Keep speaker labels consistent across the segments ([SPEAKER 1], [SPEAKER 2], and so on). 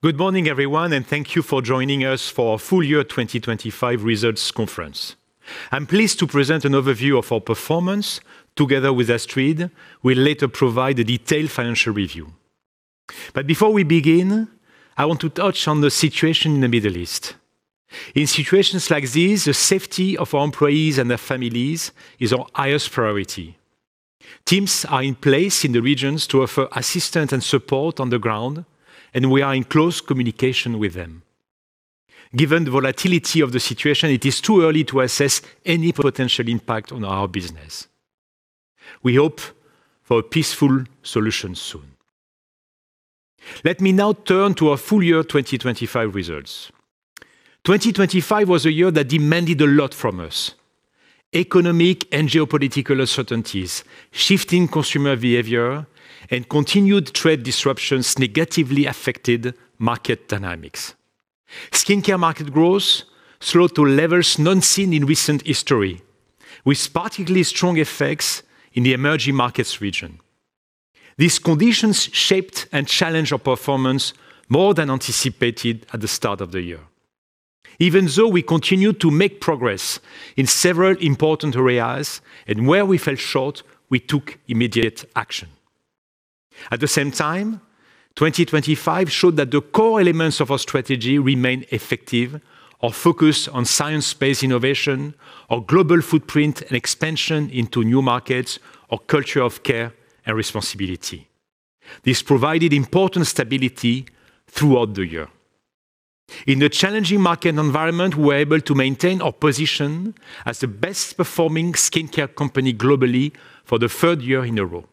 [SPEAKER 1] Good morning everyone, thank you for joining us for our full year 2025 results conference. I'm pleased to present an overview of our performance. Together with Astrid, we'll later provide a detailed financial review. Before we begin, I want to touch on the situation in the Middle East. In situations like this, the safety of our employees and their families is our highest priority. Teams are in place in the regions to offer assistance and support on the ground, we are in close communication with them. Given the volatility of the situation, it is too early to assess any potential impact on our business. We hope for a peaceful solution soon. Let me now turn to our full year 2025 results. 2025 was a year that demanded a lot from us. Economic and geopolitical uncertainties, shifting consumer behavior, and continued trade disruptions negatively affected market dynamics. Skincare market growth slowed to levels not seen in recent history, with particularly strong effects in the emerging markets region. These conditions shaped and challenged our performance more than anticipated at the start of the year. Even so, we continued to make progress in several important areas and where we fell short, we took immediate action. At the same time, 2025 showed that the core elements of our strategy remain effective our focus on science-based innovation our global footprint and expansion into new markets our culture of care and responsibility. This provided important stability throughout the year. In the challenging market environment, we were able to maintain our position as the best performing skincare company globally for the third year in a row.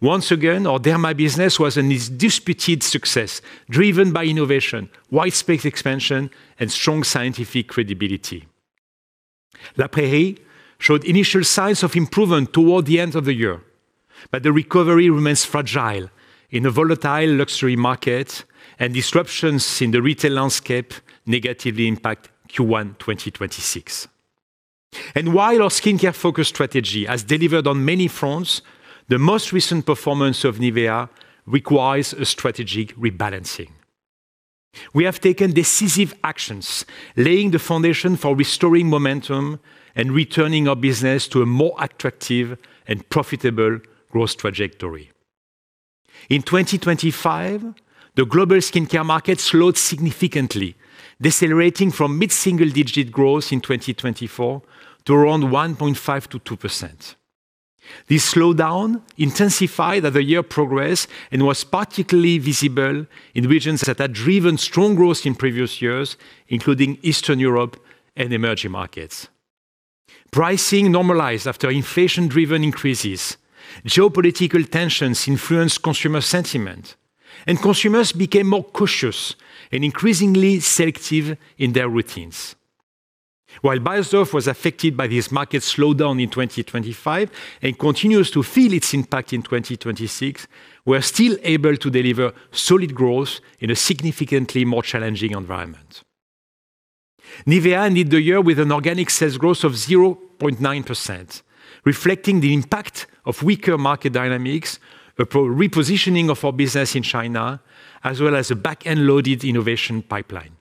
[SPEAKER 1] Once again, our Derma business was an undisputed success, driven by innovation, wide space expansion and strong scientific credibility. La Prairie showed initial signs of improvement toward the end of the year, but the recovery remains fragile in a volatile luxury market and disruptions in the retail landscape negatively impact Q1 2026. While our skincare focus strategy has delivered on many fronts, the most recent performance of NIVEA requires a strategic rebalancing. We have taken decisive actions, laying the foundation for restoring momentum and returning our business to a more attractive and profitable growth trajectory. In 2025, the global skincare market slowed significantly, decelerating from mid-single digit growth in 2024 to around 1.5%-2%. This slowdown intensified as the year progressed and was particularly visible in regions that had driven strong growth in previous years, including Eastern Europe and emerging markets. Pricing normalized after inflation-driven increases. Geopolitical tensions influenced consumer sentiment, and consumers became more cautious and increasingly selective in their routines. While Beiersdorf was affected by this market slowdown in 2025 and continues to feel its impact in 2026, we're still able to deliver solid growth in a significantly more challenging environment. NIVEA ended the year with an organic sales growth of 0.9%, reflecting the impact of weaker market dynamics, a repositioning of our business in China, as well as a back-end loaded innovation pipeline.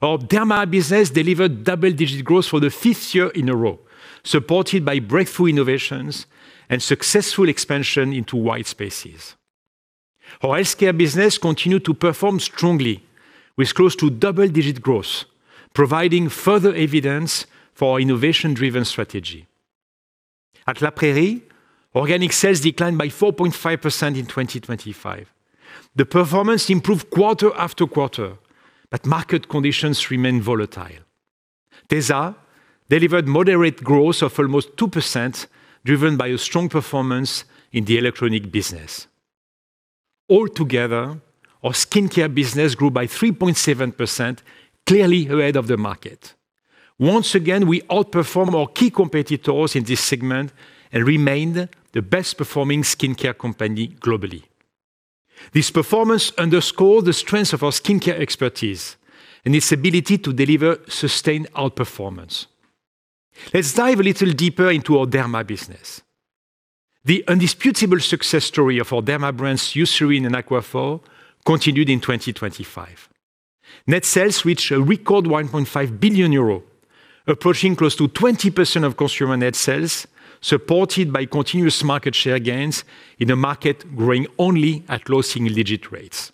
[SPEAKER 1] Our Derma business delivered double-digit growth for the fifth year in a row, supported by breakthrough innovations and successful expansion into wide spaces. Our skincare business continued to perform strongly with close to double-digit growth, providing further evidence for our innovation-driven strategy. At La Prairie, organic sales declined by 4.5% in 2025. The performance improved quarter after quarter, but market conditions remain volatile. Tesa delivered moderate growth of almost 2%, driven by a strong performance in the electronic business. Altogether, our skincare business grew by 3.7%, clearly ahead of the market. Once again, we outperformed our key competitors in this segment and remained the best performing skincare company globally. This performance underscored the strength of our skincare expertise and its ability to deliver sustained outperformance. Let's dive a little deeper into our Derma business. The indisputable success story of our Derma brands, Eucerin and Aquaphor, continued in 2025. Net sales reached a record 1.5 billion euro, approaching close to 20% of consumer net sales, supported by continuous market share gains in a market growing only at low single-digit rates.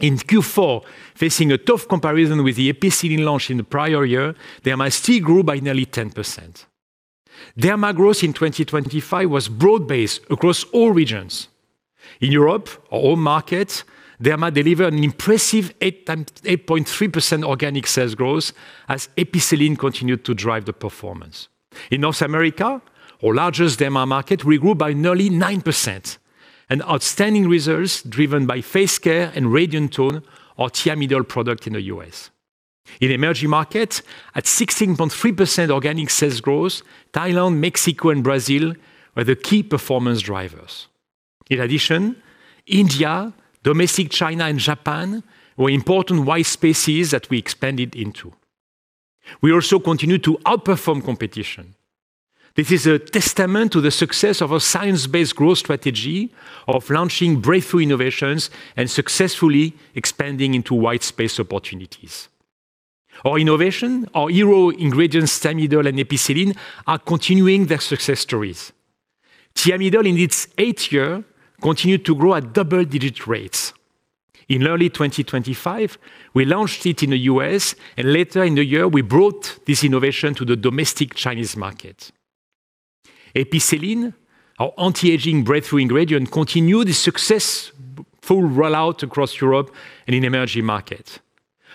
[SPEAKER 1] In Q4, facing a tough comparison with the Epicelline launch in the prior year, Derma still grew by nearly 10%. Derma growth in 2025 was broad-based across all regions. In Europe, our home market, Derma delivered an impressive 8.3% organic sales growth as Epicelline continued to drive the performance. In North America, our largest Derma market, we grew by nearly 9%, an outstanding results driven by face care and Radiant Tone, our Thiamidol product in the U.S. In emerging markets, at 16.3% organic sales growth, Thailand, Mexico and Brazil were the key performance drivers. India, domestic China and Japan were important white spaces that we expanded into. We also continue to outperform competition. This is a testament to the success of our science-based growth strategy of launching breakthrough innovations and successfully expanding into white space opportunities. Our innovation, our hero ingredients, Thiamidol and Epicelline, are continuing their success stories. Thiamidol, in its eighth year, continued to grow at double-digit rates. In early 2025, we launched it in the U.S., and later in the year, we brought this innovation to the domestic Chinese market. Epicelline, our anti-aging breakthrough ingredient, continued the successful rollout across Europe and in emerging markets.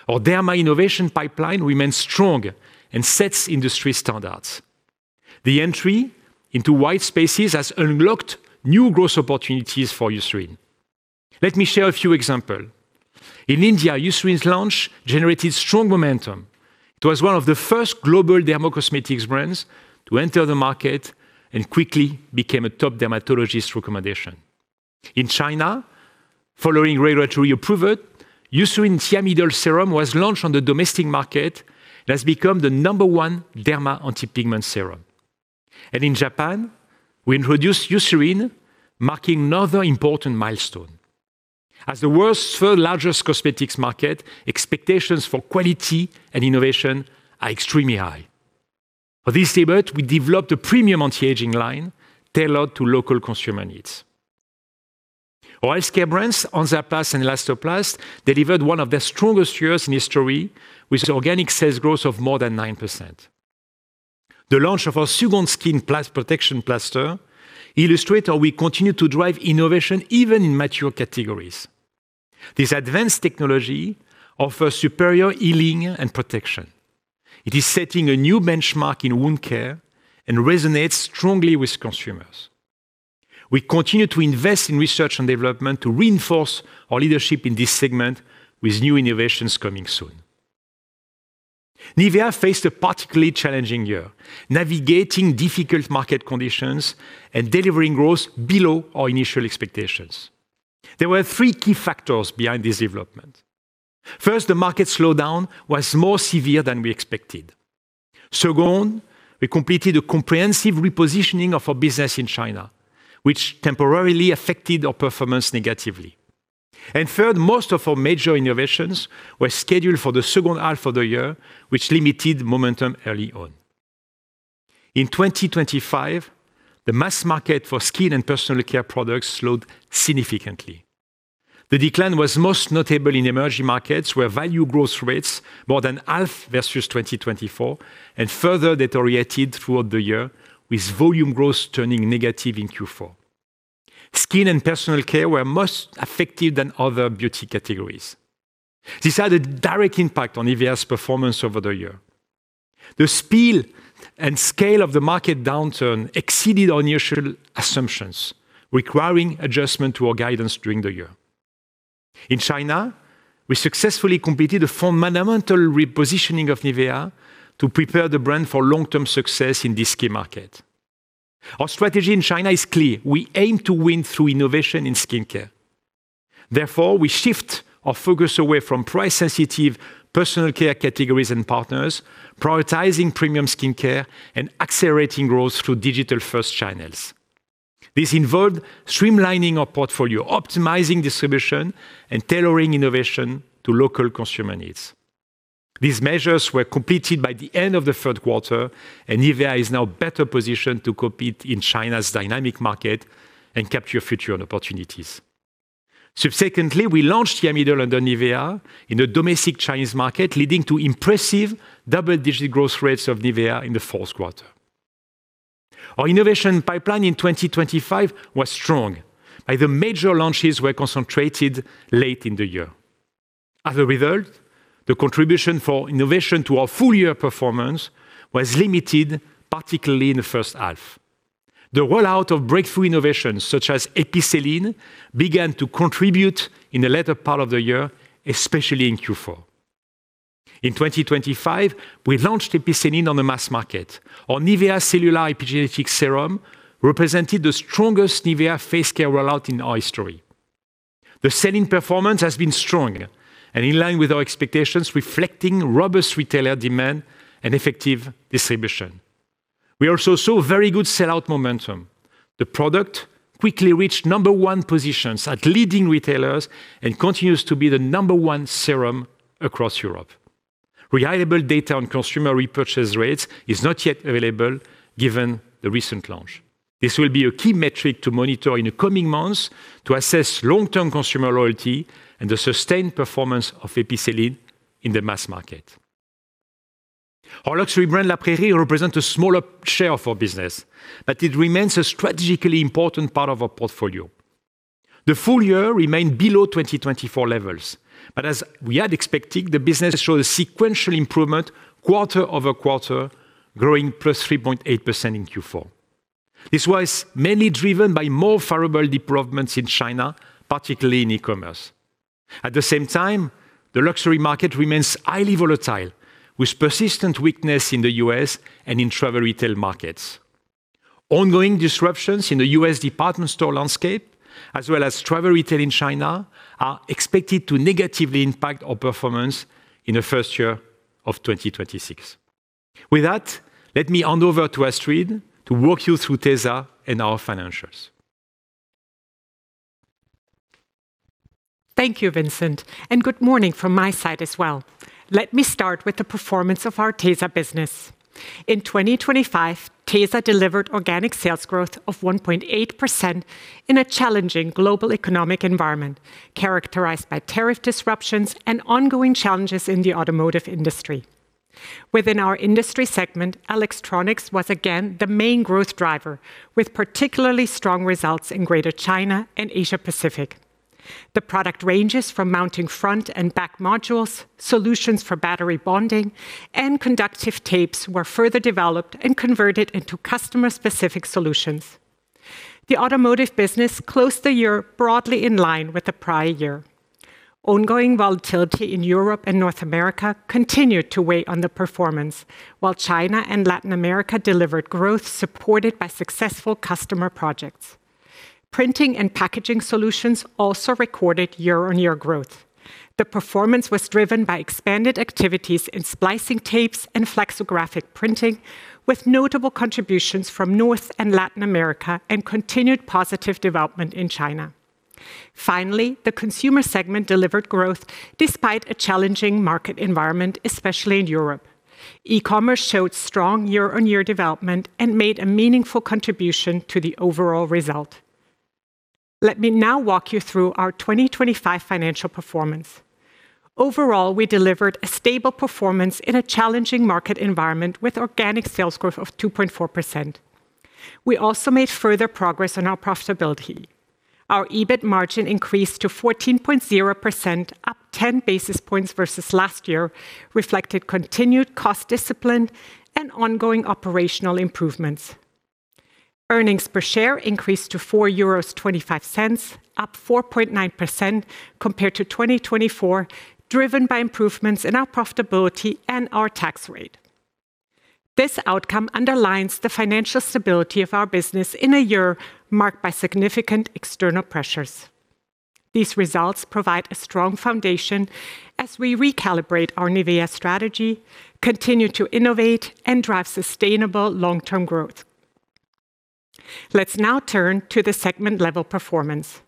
[SPEAKER 1] Our derma innovation pipeline remains strong and sets industry standards. The entry into white spaces has unlocked new growth opportunities for Eucerin. Let me share a few example. In India, Eucerin's launch generated strong momentum. It was one of the first global dermacosmetics brands to enter the market and quickly became a top dermatologist recommendation. In China, following regulatory approval, Eucerin Thiamidol Serum was launched on the domestic market and has become the number one derma anti-pigment serum. In Japan, we introduced Eucerin, marking another important milestone. As the world's third-largest cosmetics market, expectations for quality and innovation are extremely high. For this effort, we developed a premium anti-aging line tailored to local consumer needs. Our healthcare brands, Hansaplast and Elastoplast, delivered one of their strongest years in history with organic sales growth of more than 9%. The launch of our Second Skin Protection plaster illustrate how we continue to drive innovation even in mature categories. This advanced technology offers superior healing and protection. It is setting a new benchmark in wound care and resonates strongly with consumers. We continue to invest in research and development to reinforce our leadership in this segment with new innovations coming soon. NIVEA faced a particularly challenging year, navigating difficult market conditions and delivering growth below our initial expectations. There were three key factors behind this development. First, the market slowdown was more severe than we expected. Second, we completed a comprehensive repositioning of our business in China, which temporarily affected our performance negatively. Third, most of our major innovations were scheduled for the second half of the year, which limited momentum early on. In 2025, the mass market for skin and personal care products slowed significantly. The decline was most notable in emerging markets, where value growth rates more than half versus 2024 and further deteriorated throughout the year, with volume growth turning negative in Q4. Skin and personal care were most affected than other beauty categories. This had a direct impact on NIVEA's performance over the year. The speed and scale of the market downturn exceeded our initial assumptions, requiring adjustment to our guidance during the year. In China, we successfully completed a fundamental repositioning of NIVEA to prepare the brand for long-term success in this key market. Our strategy in China is clear. We aim to win through innovation in skin care. Therefore, we shift our focus away from price-sensitive personal care categories and partners, prioritizing premium skin care and accelerating growth through digital-first channels. This involved streamlining our portfolio, optimizing distribution, and tailoring innovation to local consumer needs. These measures were completed by the end of the third quarter, and NIVEA is now better positioned to compete in China's dynamic market and capture future opportunities. Subsequently, we launched Thiamidol under NIVEA in the domestic Chinese market, leading to impressive double-digit growth rates of NIVEA in the fourth quarter. Our innovation pipeline in 2025 was strong, and the major launches were concentrated late in the year. As a result, the contribution for innovation to our full-year performance was limited, particularly in the first half. The rollout of breakthrough innovations such as Epicelline began to contribute in the latter part of the year, especially in Q4. In 2025, we launched Epicelline on the mass market. Our NIVEA Cellular Epigenetic Serum represented the strongest NIVEA face care rollout in our history. The selling performance has been strong and in line with our expectations, reflecting robust retailer demand and effective distribution. We also saw very good sell-out momentum. The product quickly reached number one positions at leading retailers and continues to be the number one serum across Europe. Reliable data on consumer repurchase rates is not yet available given the recent launch. This will be a key metric to monitor in the coming months to assess long-term consumer loyalty and the sustained performance of Epicelline in the mass market. Our luxury brand, La Prairie, represents a smaller share of our business. It remains a strategically important part of our portfolio. The full year remained below 2024 levels. As we had expected, the business showed a sequential improvement quarter-over-quarter, growing +3.8% in Q4. This was mainly driven by more favorable developments in China, particularly in e-commerce. At the same time, the luxury market remains highly volatile, with persistent weakness in the U.S. and in travel retail markets. Ongoing disruptions in the U.S. department store landscape, as well as travel retail in China, are expected to negatively impact our performance in the first year of 2026. With that, let me hand over to Astrid to walk you through Tesa and our financials.
[SPEAKER 2] Thank you, Vincent. Good morning from my side as well. Let me start with the performance of our Tesa business. In 2025, Tesa delivered organic sales growth of 1.8% in a challenging global economic environment, characterized by tariff disruptions and ongoing challenges in the automotive industry. Within our industry segment, electronics was again the main growth driver, with particularly strong results in Greater China and Asia Pacific. The product ranges from mounting front and back modules, solutions for battery bonding, and conductive tapes were further developed and converted into customer-specific solutions. The automotive business closed the year broadly in line with the prior year. Ongoing volatility in Europe and North America continued to weigh on the performance, while China and Latin America delivered growth supported by successful customer projects. Printing and packaging solutions also recorded year-on-year growth. The performance was driven by expanded activities in splicing tapes and flexographic printing, with notable contributions from North and Latin America and continued positive development in China. The consumer segment delivered growth despite a challenging market environment, especially in Europe. E-commerce showed strong year-on-year development and made a meaningful contribution to the overall result. Let me now walk you through our 2025 financial performance. We delivered a stable performance in a challenging market environment with organic sales growth of 2.4%. We also made further progress on our profitability. Our EBIT margin increased to 14.0%, up ten basis points versus last year, reflected continued cost discipline and ongoing operational improvements. Earnings per share increased to 4.25 euros, up 4.9% compared to 2024, driven by improvements in our profitability and our tax rate. This outcome underlines the financial stability of our business in a year marked by significant external pressures. These results provide a strong foundation as we recalibrate our NIVEA strategy, continue to innovate, and drive sustainable long-term growth. Let's now turn to the segment-level performance.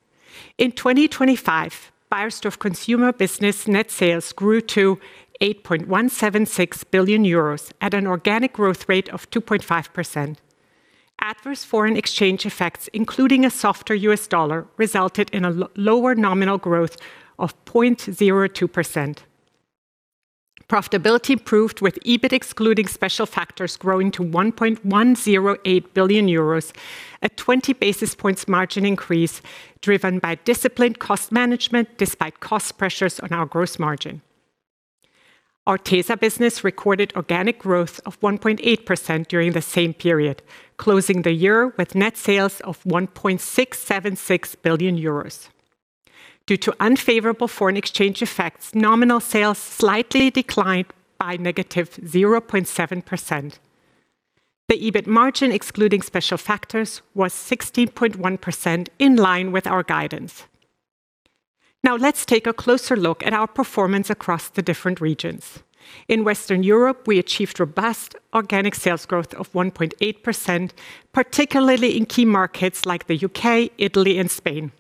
[SPEAKER 2] In 2025, Beiersdorf consumer business net sales grew to 8.176 billion euros at an organic growth rate of 2.5%. Adverse foreign exchange effects, including a softer US dollar, resulted in a lower nominal growth of 0.02%. Profitability improved with EBIT excluding special factors growing to 1.108 billion euros at 20 basis points margin increase driven by disciplined cost management despite cost pressures on our gross margin. Our Tesa business recorded organic growth of 1.8% during the same period, closing the year with net sales of 1.676 billion euros. Due to unfavorable foreign exchange effects, nominal sales slightly declined by -0.7%. The EBIT margin, excluding special factors, was 16.1% in line with our guidance. Let's take a closer look at our performance across the different regions. In Western Europe, we achieved robust organic sales growth of 1.8%, particularly in key markets like the U.K., Italy, and Spain.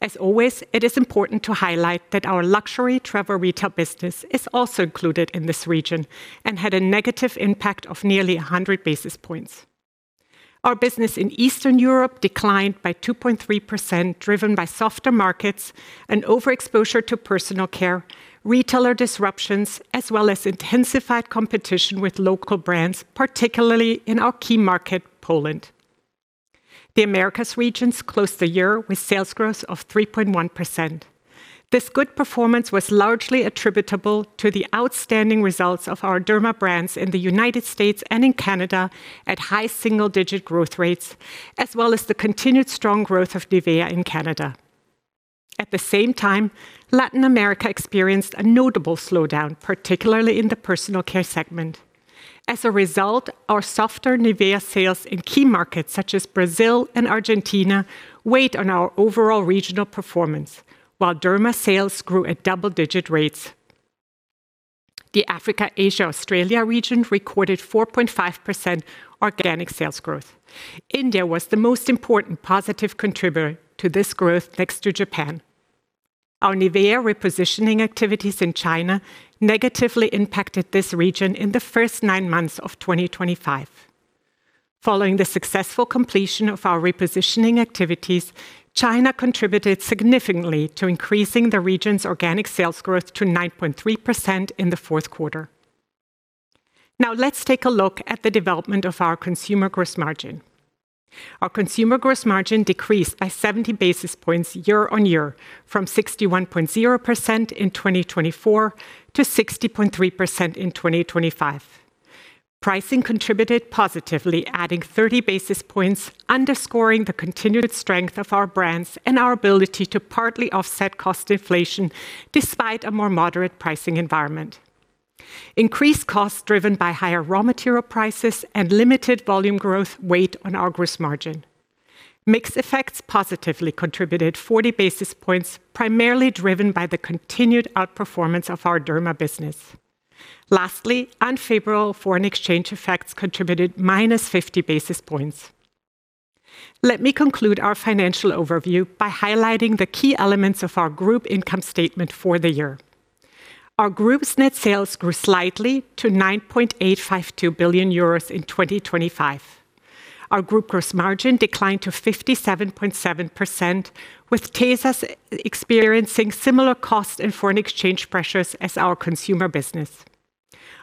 [SPEAKER 2] As always, it is important to highlight that our luxury travel retail business is also included in this region and had a negative impact of nearly 100 basis points. Our business in Eastern Europe declined by 2.3%, driven by softer markets and overexposure to personal care, retailer disruptions, as well as intensified competition with local brands, particularly in our key market, Poland. The Americas regions closed the year with sales growth of 3.1%. This good performance was largely attributable to the outstanding results of our Derma brands in the United States and in Canada at high single-digit growth rates, as well as the continued strong growth of NIVEA in Canada. At the same time, Latin America experienced a notable slowdown, particularly in the personal care segment. As a result, our softer NIVEA sales in key markets such as Brazil and Argentina weighed on our overall regional performance. While Derma sales grew at double-digit rates. The Africa, Asia, Australia region recorded 4.5% organic sales growth. India was the most important positive contributor to this growth, next to Japan. Our NIVEA repositioning activities in China negatively impacted this region in the first nine months of 2025. Following the successful completion of our repositioning activities, China contributed significantly to increasing the region's organic sales growth to 9.3% in the fourth quarter. Let's take a look at the development of our consumer gross margin. Our consumer gross margin decreased by 70 basis points year-on-year from 61.0% in 2024 to 60.3% in 2025. Pricing contributed positively, adding 30 basis points, underscoring the continued strength of our brands and our ability to partly offset cost inflation despite a more moderate pricing environment. Increased costs driven by higher raw material prices and limited volume growth weighed on our gross margin. Mix effects positively contributed 40 basis points, primarily driven by the continued outperformance of our Derma business. Lastly, unfavorable foreign exchange effects contributed -50 basis points. Let me conclude our financial overview by highlighting the key elements of our group income statement for the year. Our group's net sales grew slightly to 9.852 billion euros in 2025. Our group gross margin declined to 57.7% with Tesas experiencing similar cost and foreign exchange pressures as our consumer business.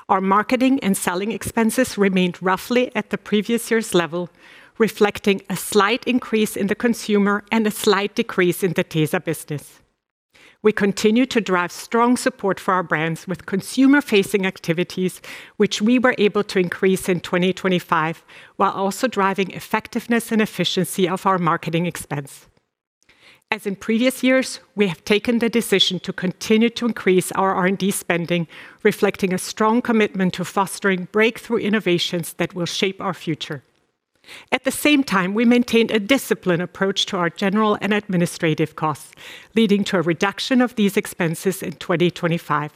[SPEAKER 2] Our marketing and selling expenses remained roughly at the previous year's level, reflecting a slight increase in the consumer and a slight decrease in the Tesa business. We continue to drive strong support for our brands with consumer-facing activities, which we were able to increase in 2025, while also driving effectiveness and efficiency of our marketing expense. As in previous years, we have taken the decision to continue to increase our R&D spending, reflecting a strong commitment to fostering breakthrough innovations that will shape our future. At the same time, we maintained a disciplined approach to our general and administrative costs, leading to a reduction of these expenses in 2025.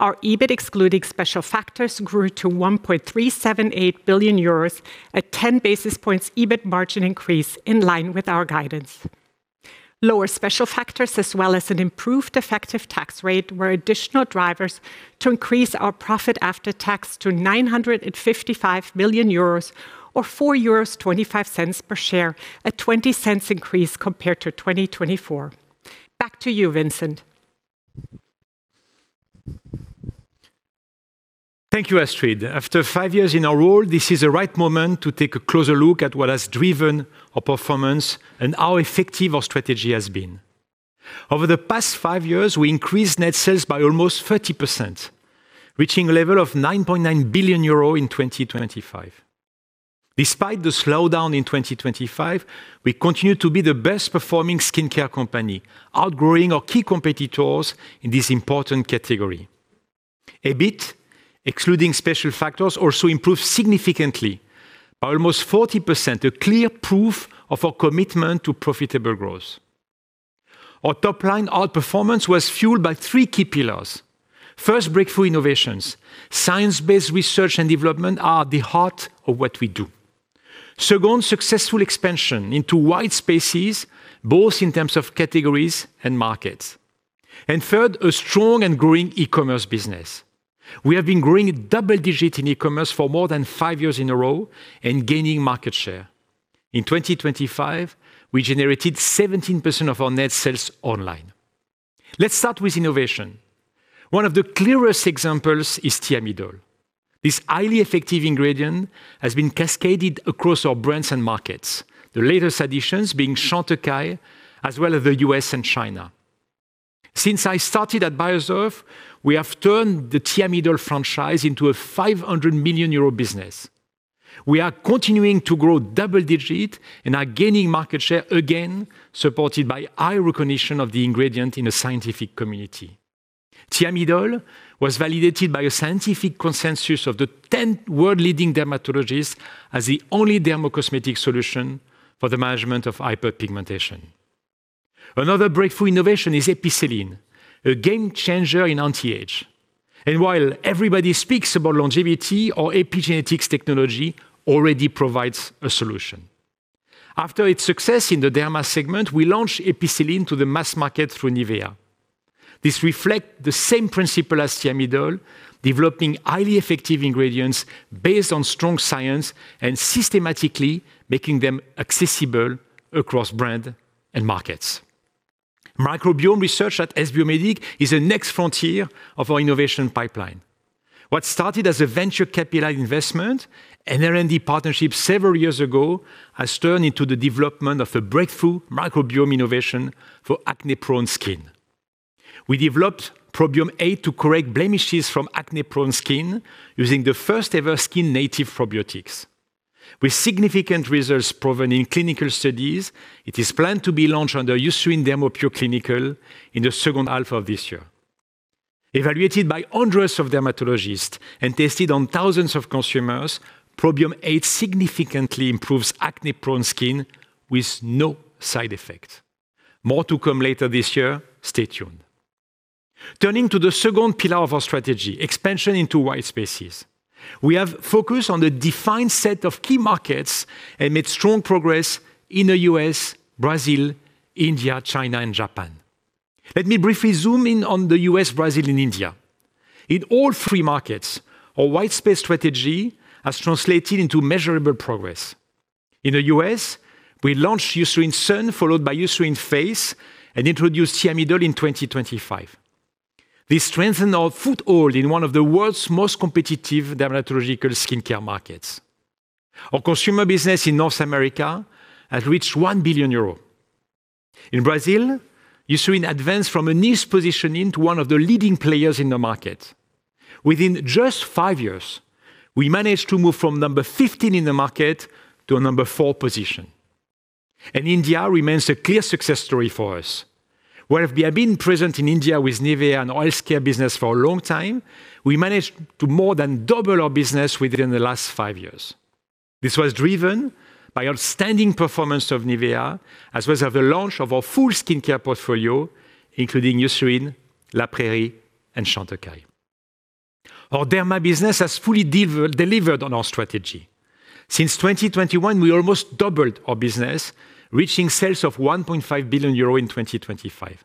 [SPEAKER 2] Our EBIT excluding special factors grew to 1.378 billion euros at 10 basis points EBIT margin increase in line with our guidance. Lower special factors as well as an improved effective tax rate were additional drivers to increase our profit after tax to 955 million euros or 4.25 euros per share, a 0.20 increase compared to 2024. Back to you, Vincent.
[SPEAKER 1] Thank you, Astrid. After five years in our role, this is the right moment to take a closer look at what has driven our performance and how effective our strategy has been. Over the past five years, we increased net sales by almost 30%, reaching a level of 9.9 billion euros in 2025. Despite the slowdown in 2025, we continue to be the best performing skincare company, outgrowing our key competitors in this important category. EBIT, excluding special factors, also improved significantly by almost 40%, a clear proof of our commitment to profitable growth. Our top line outperformance was fueled by three key pillars. First, breakthrough innovations. Science-based research and development are the heart of what we do. Second, successful expansion into wide spaces, both in terms of categories and markets. Third, a strong and growing e-commerce business. We have been growing double digit in e-commerce for more than five years in a row and gaining market share. In 2025, we generated 17% of our net sales online. Let's start with innovation. One of the clearest examples is Thiamidol. This highly effective ingredient has been cascaded across our brands and markets, the latest additions being Chantecaille, as well as the U.S. and China. Since I started at Beiersdorf, we have turned the Thiamidol franchise into a 500 million euro business. We are continuing to grow double digit and are gaining market share again, supported by high recognition of the ingredient in the scientific community. Thiamidol was validated by a scientific consensus of the 10 world-leading dermatologists as the only dermacosmetic solution for the management of hyperpigmentation. Another breakthrough innovation is Epigenetech, a game changer in anti-age. While everybody speaks about longevity, our epigenetics technology already provides a solution. After its success in the Derma segment, we launched Epigenetech to the mass market through NIVEA. This reflects the same principle as Thiamidol, developing highly effective ingredients based on strong science and systematically making them accessible across brand and markets. Microbiome research at S-Biomedic is the next frontier of our innovation pipeline. What started as a venture capital investment, an R&D partnership several years ago, has turned into the development of a breakthrough microbiome innovation for acne-prone skin. We developed Probiome-8 to correct blemishes from acne-prone skin using the first-ever skin-native probiotics. With significant results proven in clinical studies, it is planned to be launched under Eucerin DermoPure Clinical in the second half of this year. Evaluated by hundreds of dermatologists and tested on thousands of consumers, Probiome-8 significantly improves acne-prone skin with no side effects. More to come later this year. Stay tuned. Turning to the second pillar of our strategy, expansion into white spaces. We have focused on the defined set of key markets and made strong progress in the U.S., Brazil, India, China, and Japan. Let me briefly zoom in on the U.S., Brazil, and India. In all three markets, our white space strategy has translated into measurable progress. In the U.S., we launched Eucerin Sun, followed by Eucerin Face, and introduced Thiamidol in 2025. This strengthened our foothold in one of the world's most competitive dermatological skincare markets. Our consumer business in North America has reached 1 billion euros. In Brazil, Eucerin advanced from a niche positioning to one of the leading players in the market. Within just five years, we managed to move from number 15 in the market to a number four position. India remains a clear success story for us. Where we have been present in India with NIVEA and Body Care business for a long time, we managed to more than double our business within the last five years. This was driven by outstanding performance of NIVEA, as was of the launch of our full skincare portfolio, including Eucerin, La Prairie, and Chantecaille. Our Derma business has fully delivered on our strategy. Since 2021, we almost doubled our business, reaching sales of 1.5 billion euro in 2025.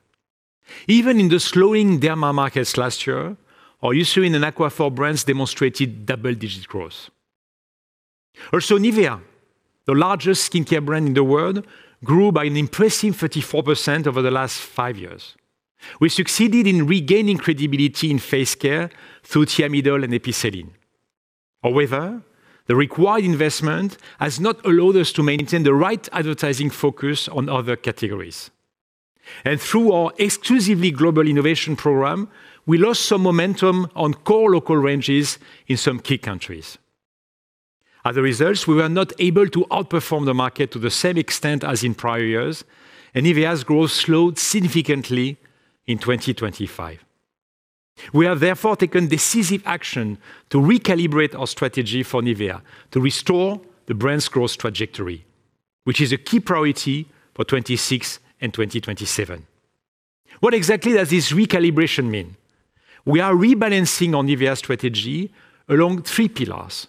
[SPEAKER 1] Even in the slowing Derma markets last year, our Eucerin and Aquaphor brands demonstrated double-digit growth. NIVEA, the largest skincare brand in the world, grew by an impressive 34% over the last five years. We succeeded in regaining credibility in face care through Thiamidol and Epicelline. However, the required investment has not allowed us to maintain the right advertising focus on other categories. Through our exclusively global innovation program, we lost some momentum on core local ranges in some key countries. As a result, we were not able to outperform the market to the same extent as in prior years, and NIVEA's growth slowed significantly in 2025. We have therefore taken decisive action to recalibrate our strategy for NIVEA to restore the brand's growth trajectory, which is a key priority for 2026 and 2027. What exactly does this recalibration mean? We are rebalancing our NIVEA strategy along three pillars.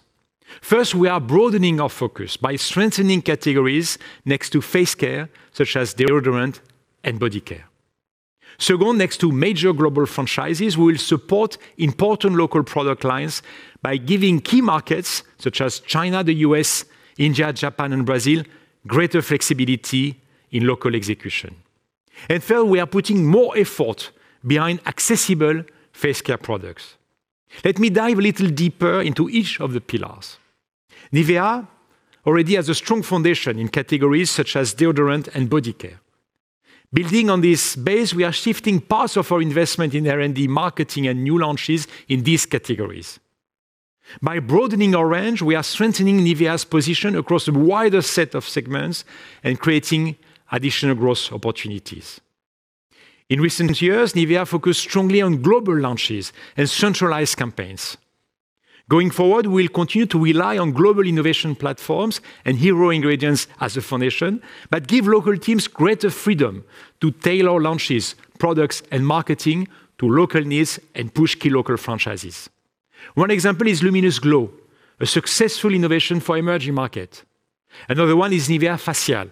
[SPEAKER 1] First, we are broadening our focus by strengthening categories next to face care, such as deodorant and body care. Second, next to major global franchises, we will support important local product lines by giving key markets such as China, the U.S., India, Japan, and Brazil, greater flexibility in local execution. Third, we are putting more effort behind accessible face care products. Let me dive a little deeper into each of the pillars. NIVEA already has a strong foundation in categories such as deodorant and body care. Building on this base, we are shifting parts of our investment in R&D marketing and new launches in these categories. By broadening our range, we are strengthening NIVEA's position across a wider set of segments and creating additional growth opportunities. In recent years, NIVEA focused strongly on global launches and centralized campaigns. Going forward, we'll continue to rely on global innovation platforms and hero ingredients as a foundation, but give local teams greater freedom to tailor launches, products, and marketing to local needs and push key local franchises. One example is Luminous Glow, a successful innovation for emerging market. Another one is NIVEA Facial,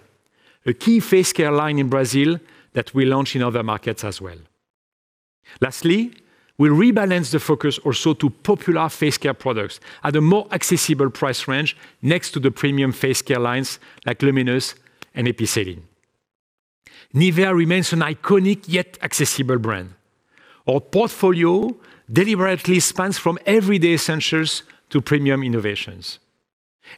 [SPEAKER 1] a key face care line in Brazil that we launch in other markets as well. Lastly, we rebalance the focus also to popular face care products at a more accessible price range next to the premium face care lines like LUMINOUS and Epicelline. NIVEA remains an iconic yet accessible brand. Our portfolio deliberately spans from everyday essentials to premium innovations.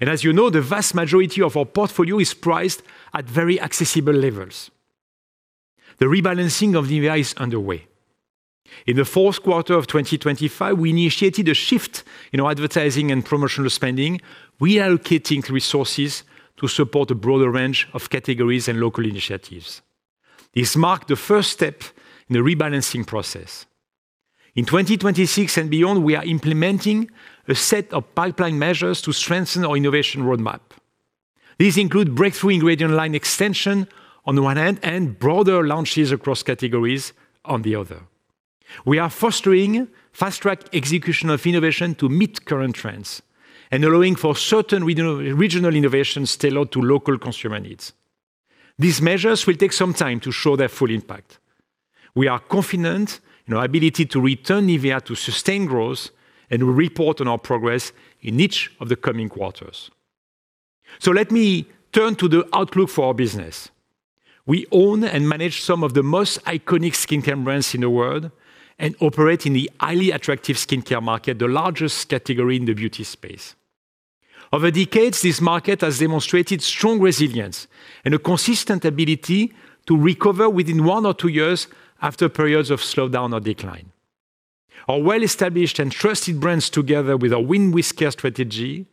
[SPEAKER 1] As you know, the vast majority of our portfolio is priced at very accessible levels. The rebalancing of NIVEA is underway. In the fourth quarter of 2025, we initiated a shift in our advertising and promotional spending, reallocating resources to support a broader range of categories and local initiatives. This marked the first step in the rebalancing process. In 2026 and beyond, we are implementing a set of pipeline measures to strengthen our innovation roadmap. These include breakthrough ingredient line extension on the one hand and broader launches across categories on the other. We are fostering fast-track execution of innovation to meet current trends and allowing for certain regional innovations tailored to local consumer needs. These measures will take some time to show their full impact. We are confident in our ability to return NIVEA to sustained growth and will report on our progress in each of the coming quarters. Let me turn to the outlook for our business. We own and manage some of the most iconic skincare brands in the world and operate in the highly attractive skincare market, the largest category in the beauty space. Over decades, this market has demonstrated strong resilience and a consistent ability to recover within one or two years after periods of slowdown or decline. Our well-established and trusted brands, together with our Win with Care strategy,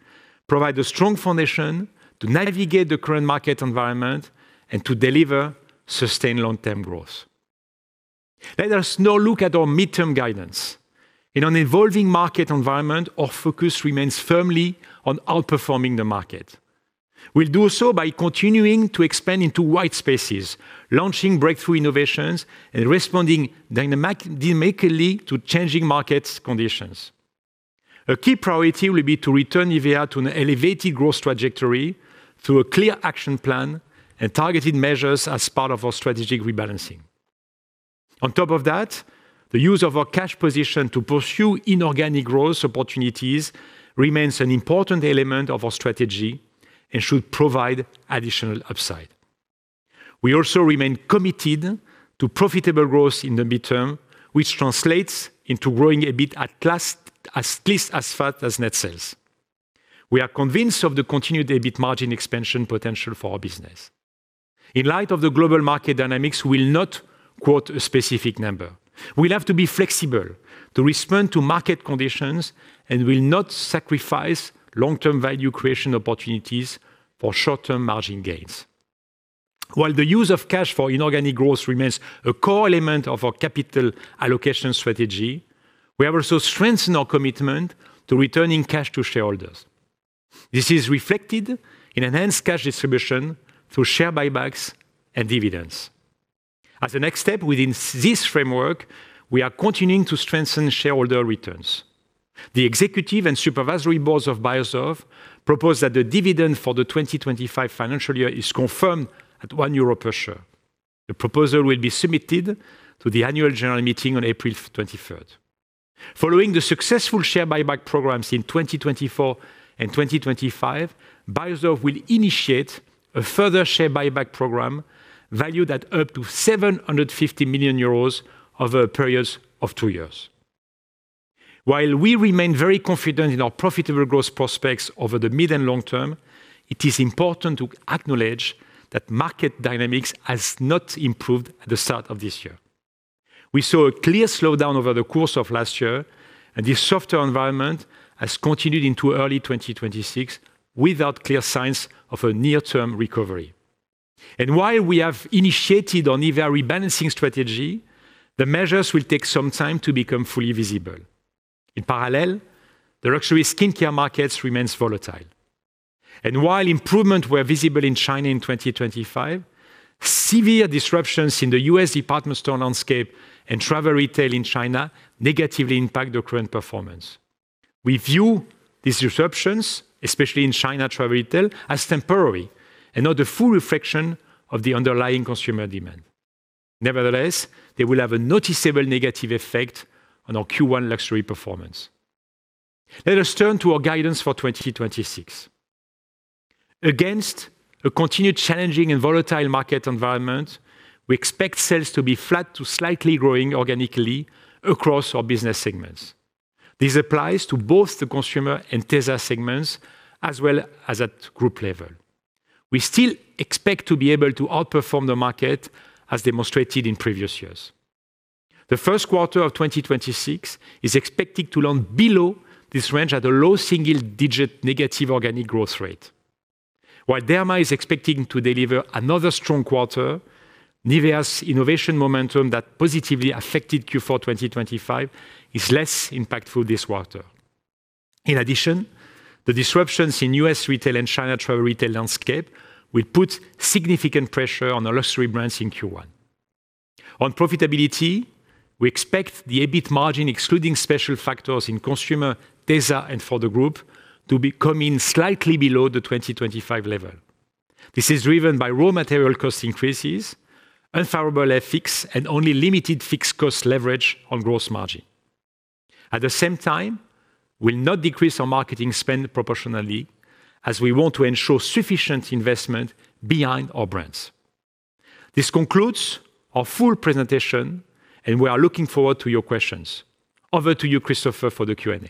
[SPEAKER 1] provide a strong foundation to navigate the current market environment and to deliver sustained long-term growth. Let us now look at our midterm guidance. In an evolving market environment, our focus remains firmly on outperforming the market. We'll do so by continuing to expand into white spaces, launching breakthrough innovations, and responding dynamically to changing markets conditions. A key priority will be to return NIVEA to an elevated growth trajectory through a clear action plan and targeted measures as part of our strategic rebalancing. On top of that, the use of our cash position to pursue inorganic growth opportunities remains an important element of our strategy and should provide additional upside. We also remain committed to profitable growth in the midterm, which translates into growing EBIT at least as fast as net sales. We are convinced of the continued EBIT margin expansion potential for our business. In light of the global market dynamics, we'll not quote a specific number. We'll have to be flexible to respond to market conditions and will not sacrifice long-term value creation opportunities for short-term margin gains. While the use of cash for inorganic growth remains a core element of our capital allocation strategy, we have also strengthened our commitment to returning cash to shareholders. This is reflected in enhanced cash distribution through share buybacks and dividends. As a next step within this framework, we are continuing to strengthen shareholder returns. The executive and supervisory boards of Beiersdorf propose that the dividend for the 2025 financial year is confirmed at 1 euro per share. The proposal will be submitted to the annual general meeting on 23 April. Following the successful share buyback programs in 2024 and 2025, Beiersdorf will initiate a further share buyback program valued at up to 750 million euros over a period of two years. While we remain very confident in our profitable growth prospects over the mid and long term, it is important to acknowledge that market dynamics has not improved at the start of this year. We saw a clear slowdown over the course of last year, and this softer environment has continued into early 2026 without clear signs of a near-term recovery. While we have initiated our NIVEA rebalancing strategy, the measures will take some time to become fully visible. In parallel, the luxury skincare markets remains volatile. While improvement were visible in China in 2025, severe disruptions in the U.S. department store landscape and travel retail in China negatively impact the current performance. We view these disruptions, especially in China travel retail, as temporary and not the full reflection of the underlying consumer demand. Nevertheless, they will have a noticeable negative effect on our Q1 luxury performance. Let us turn to our guidance for 2026. Against a continued challenging and volatile market environment, we expect sales to be flat to slightly growing organically across our business segments. This applies to both the consumer and Tesa segments as well as at group level. We still expect to be able to outperform the market as demonstrated in previous years. The first quarter of 2026 is expected to land below this range at a low single-digit negative organic growth rate. While Derma is expecting to deliver another strong quarter, NIVEA's innovation momentum that positively affected Q4 2025 is less impactful this quarter. The disruptions in U.S. retail and China travel retail landscape will put significant pressure on our luxury brands in Q1. On profitability, we expect the EBIT margin, excluding special factors in consumer, Tesa, and for the group to be coming slightly below the 2025 level. This is driven by raw material cost increases, unfavorable FX, and only limited fixed cost leverage on gross margin. We'll not decrease our marketing spend proportionally as we want to ensure sufficient investment behind our brands. This concludes our full presentation. We are looking forward to your questions. Over to you, Christopher, for the Q&A.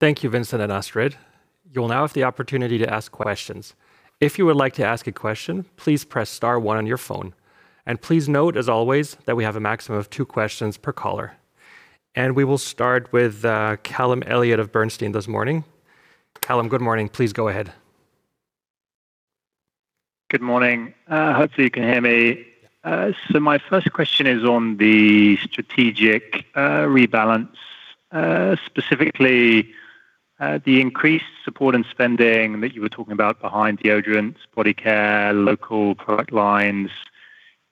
[SPEAKER 3] Thank you, Vincent and Astrid. You will now have the opportunity to ask questions. If you would like to ask a question, please press star one on your phone. Please note, as always, that we have a maximum of two questions per caller. We will start with Callum Elliot of Bernstein this morning. Callum, good morning. Please go ahead.
[SPEAKER 4] Good morning. Hopefully you can hear me. My first question is on the strategic rebalance, specifically, the increased support and spending that you were talking about behind deodorants, body care, local product lines.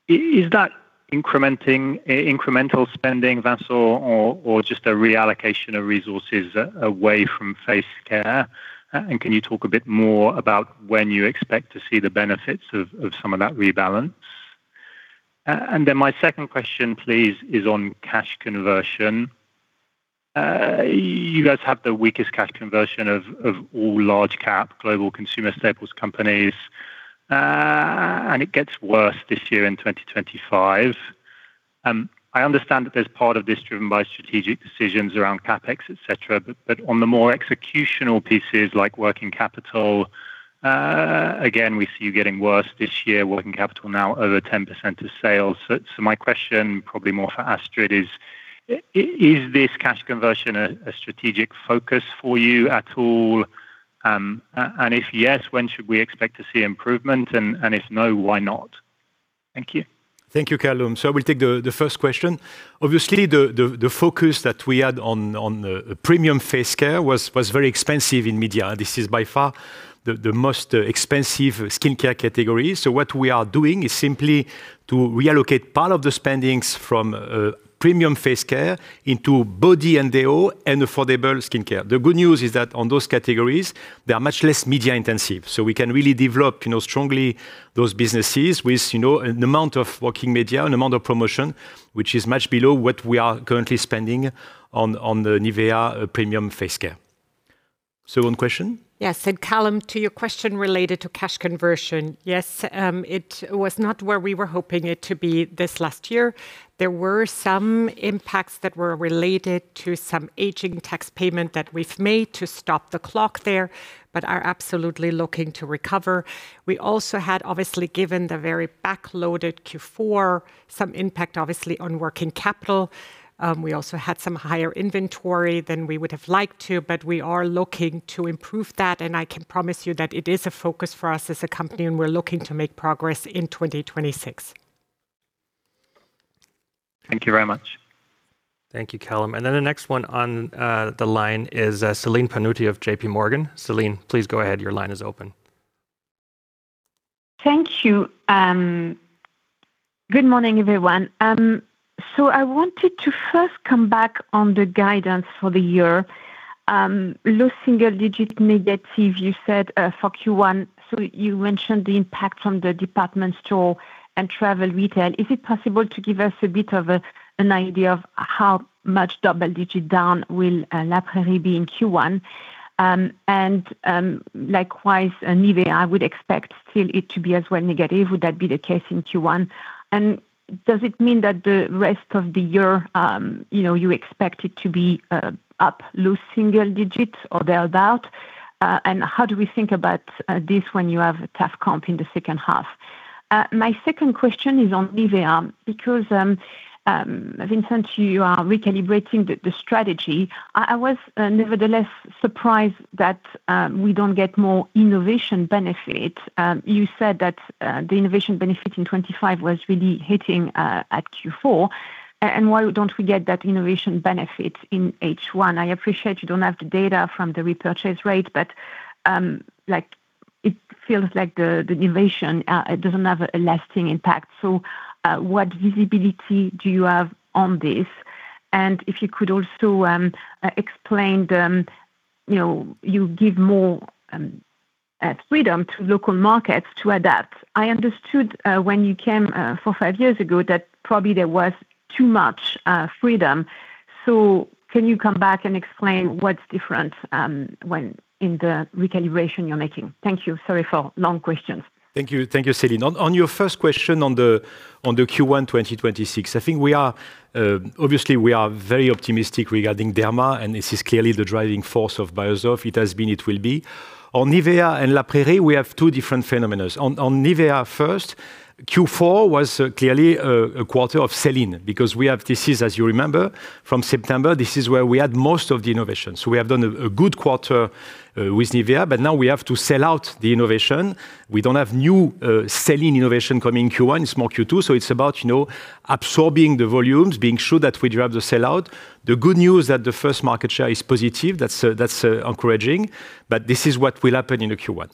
[SPEAKER 4] Is that incremental spending, Vincent, or just a reallocation of resources away from face care? Can you talk a bit more about when you expect to see the benefits of some of that rebalance? My second question, please, is on cash conversion. You guys have the weakest cash conversion of all large cap global consumer staples companies, it gets worse this year in 2025. I understand that there's part of this driven by strategic decisions around CapEx, et cetera, but on the more executional pieces like working capital, again, we see you getting worse this year, working capital now over 10% of sales. My question, probably more for Astrid, is this cash conversion a strategic focus for you at all? If yes, when should we expect to see improvement? If no, why not? Thank you.
[SPEAKER 1] Thank you, Callum. I will take the first question. Obviously, the focus that we had on premium face care was very expensive in media. This is by far the most expensive skincare category. What we are doing is simply to reallocate part of the spendings from premium face care into body and deo and affordable skincare. The good news is that on those categories, they are much less media intensive. We can really develop, you know, strongly those businesses with, you know, an amount of working media and amount of promotion, which is much below what we are currently spending on the NIVEA premium face care. Second question.
[SPEAKER 2] Yes. Callum, to your question related to cash conversion. Yes, it was not where we were hoping it to be this last year. There were some impacts that were related to some aging tax payment that we've made to stop the clock there, but are absolutely looking to recover. We also had, obviously, given the very backloaded Q4, some impact obviously on working capital. We also had some higher inventory than we would have liked to, but we are looking to improve that, and I can promise you that it is a focus for us as a company, and we're looking to make progress in 2026.
[SPEAKER 4] Thank you very much.
[SPEAKER 3] Thank you, Callum. The next one on the line is Celine Pannuti of JPMorgan. Celine, please go ahead. Your line is open.
[SPEAKER 5] Thank you. Good morning, everyone. I wanted to first come back on the guidance for the year. Low single digit negative you said for Q one. You mentioned the impact from the department store and travel retail. Is it possible to give us a bit of an idea of how much double digit down will La Prairie be in Q one? Likewise, NIVEA, I would expect still it to be as well negative. Would that be the case in Q one? Does it mean that the rest of the year, you know, you expect it to be up low single digits or thereabout? How do we think about this when you have a tough comp in the second half? My second question is on NIVEA because Vincent, you are recalibrating the strategy. I was nevertheless surprised that we don't get more innovation benefit. You said that the innovation benefit in 2025 was really hitting at Q4. Why don't we get that innovation benefit in H1? I appreciate you don't have the data from the repurchase rate, but like, it feels like the innovation doesn't have a lasting impact. What visibility do you have on this? If you could also explain, you know, you give more freedom to local markets to adapt. I understood when you came four, five years ago, that probably there was too much freedom. Can you come back and explain what's different, when in the recalibration you're making? Thank you. Sorry for long questions.
[SPEAKER 1] Thank you. Thank you, Celine. On your first question on the Q1 2026, I think we are obviously very optimistic regarding Derma, and this is clearly the driving force of Beiersdorf. It has been, it will be. On NIVEA and La Prairie, we have two different phenomena's. On NIVEA first, Q4 was clearly a quarter of sell-in because this is, as you remember, from September, this is where we had most of the innovation. We have done a good quarter with NIVEA, but now we have to sell-out the innovation. We don't have new sell-in innovation coming Q1. It's more Q2. It's about, you know, absorbing the volumes, being sure that we drive the sell-out. The good news that the first market share is positive, that's encouraging. This is what will happen in the Q1.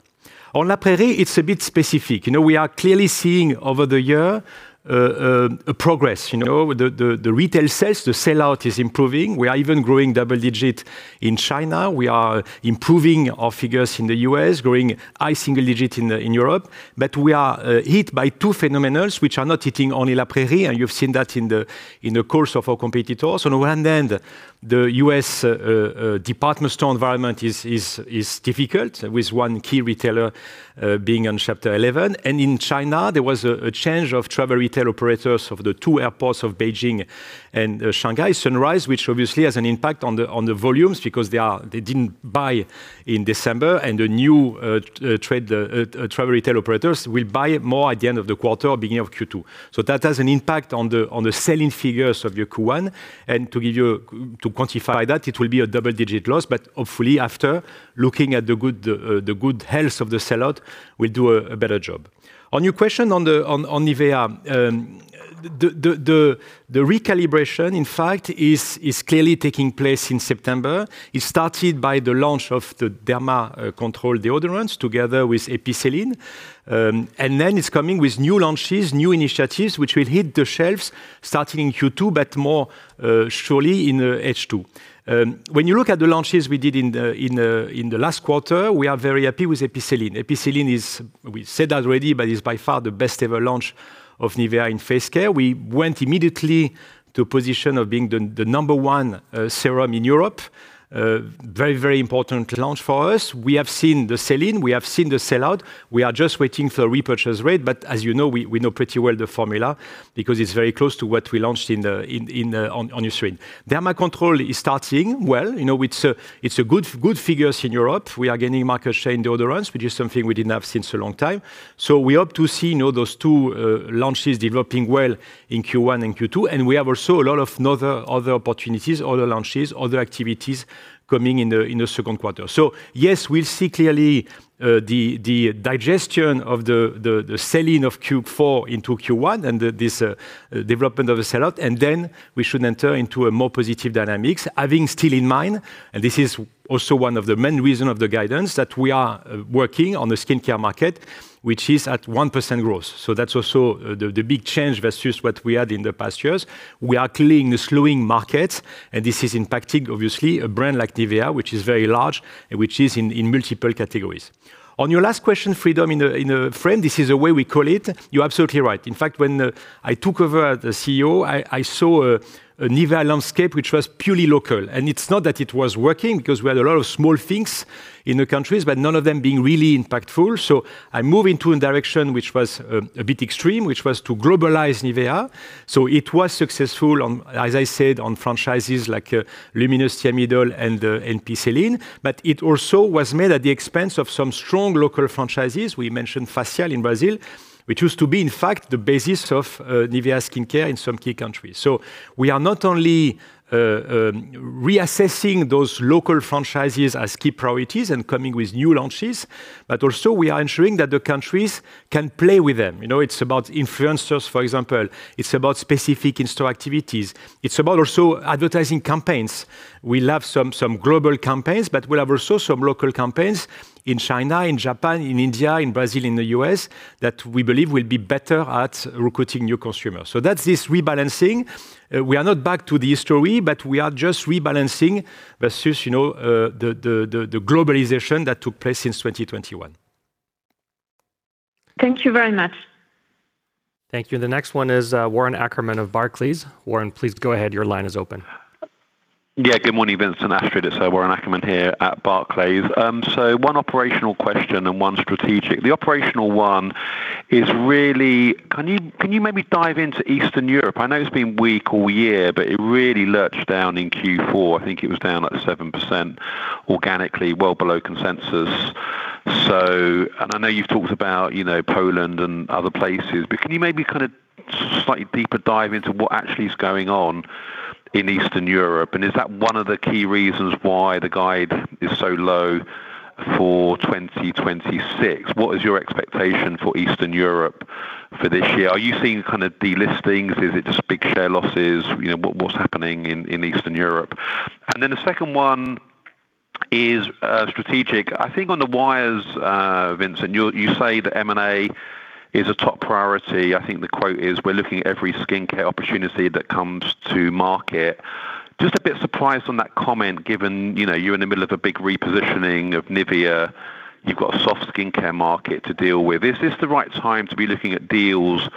[SPEAKER 1] On La Prairie, it's a bit specific. You know, we are clearly seeing over the year a progress. You know, the retail sales, the sell-out is improving. We are even growing double-digit in China. We are improving our figures in the U.S., growing high single-digit in Europe. We are hit by two phenomena which are not hitting only La Prairie, and you've seen that in the course of our competitors. On the one hand, the U.S. department store environment is difficult with 1 key retailer being on Chapter 11. In China, there was a change of travel retail operators of the two airports of Beijing and Shanghai, Sunrise, which obviously has an impact on the volumes because they didn't buy in December and the new travel retail operators will buy more at the end of the quarter or beginning of Q2. That has an impact on the selling figures of your Q1. To quantify that, it will be a double-digit loss, but hopefully after looking at the good health of the sell out, we'll do a better job. On your question on NIVEA, the recalibration, in fact, is clearly taking place in September. It started by the launch of the Derma Control deodorants together with Epicelline. Then it's coming with new launches, new initiatives, which will hit the shelves starting in Q2, but more surely in H2. When you look at the launches we did in the last quarter, we are very happy with Epicelline. Epicelline is, we said already, but is by far the best ever launch of NIVEA in face care. We went immediately to a position of being the number one serum in Europe. Very, very important launch for us. We have seen the sell-in, we have seen the sell-out. We are just waiting for repurchase rate. As you know, we know pretty well the formula because it's very close to what we launched in the on Eucerin. Derma Control is starting well. You know, it's a good figures in Europe. We are gaining market share in deodorants, which is something we didn't have since a long time. We hope to see, you know, those two launches developing well in Q1 and Q2. We have also a lot of other opportunities, other launches, other activities coming in the second quarter. Yes, we'll see clearly the digestion of the selling of Q4 into Q1 and this development of the sell out, then we should enter into a more positive dynamics. Having still in mind, this is also one of the main reason of the guidance that we are working on the skincare market, which is at 1% growth. That's also the big change versus what we had in the past years. We are clearly in the slowing market, and this is impacting obviously a brand like NIVEA, which is very large and which is in multiple categories. On your last question, freedom in a frame, this is the way we call it. You're absolutely right. In fact, when I took over the CEO, I saw a NIVEA landscape which was purely local. It's not that it was working because we had a lot of small things in the countries, but none of them being really impactful. I move into a direction which was a bit extreme, which was to globalize NIVEA. It was successful on, as I said, on franchises like Luminous, Thiamidol and Epicelline, but it also was made at the expense of some strong local franchises. We mentioned Facial in Brazil, which used to be in fact the basis of NIVEA skincare in some key countries. We are not only reassessing those local franchises as key priorities and coming with new launches, but also we are ensuring that the countries can play with them. You know, it's about influencers, for example. It's about specific in-store activities. It's about also advertising campaigns. We'll have some global campaigns, but we'll have also some local campaigns in China, in Japan, in India, in Brazil, in the U.S., that we believe will be better at recruiting new consumers. That's this rebalancing. We are not back to the history, but we are just rebalancing versus, you know, the globalization that took place since 2021.
[SPEAKER 5] Thank you very much.
[SPEAKER 3] Thank you. The next one is Warren Ackerman of Barclays. Warren, please go ahead. Your line is open.
[SPEAKER 6] Good morning, Vincent, Astrid. It's Warren Ackerman here at Barclays. One operational question and one strategic. The operational one is really can you maybe dive into Eastern Europe? I know it's been weak all year, but it really lurched down in Q4. I think it was down like 7% organically, well below consensus. I know you've talked about, you know, Poland and other places, but can you maybe kind of slightly deeper dive into what actually is going on in Eastern Europe? Is that 1 of the key reasons why the guide is so low for 2026? What is your expectation for Eastern Europe for this year? Are you seeing kind of de-listings? Is it just big share losses? You know, what's happening in Eastern Europe? The 2nd 1 is strategic. I think on the wires, Vincent, you say that M&A is a top priority. I think the quote is, "We're looking at every skincare opportunity that comes to market." A bit surprised on that comment given, you know, you're in the middle of a big repositioning of NIVEA. You've got a soft skincare market to deal with. Is this the right time to be looking at deals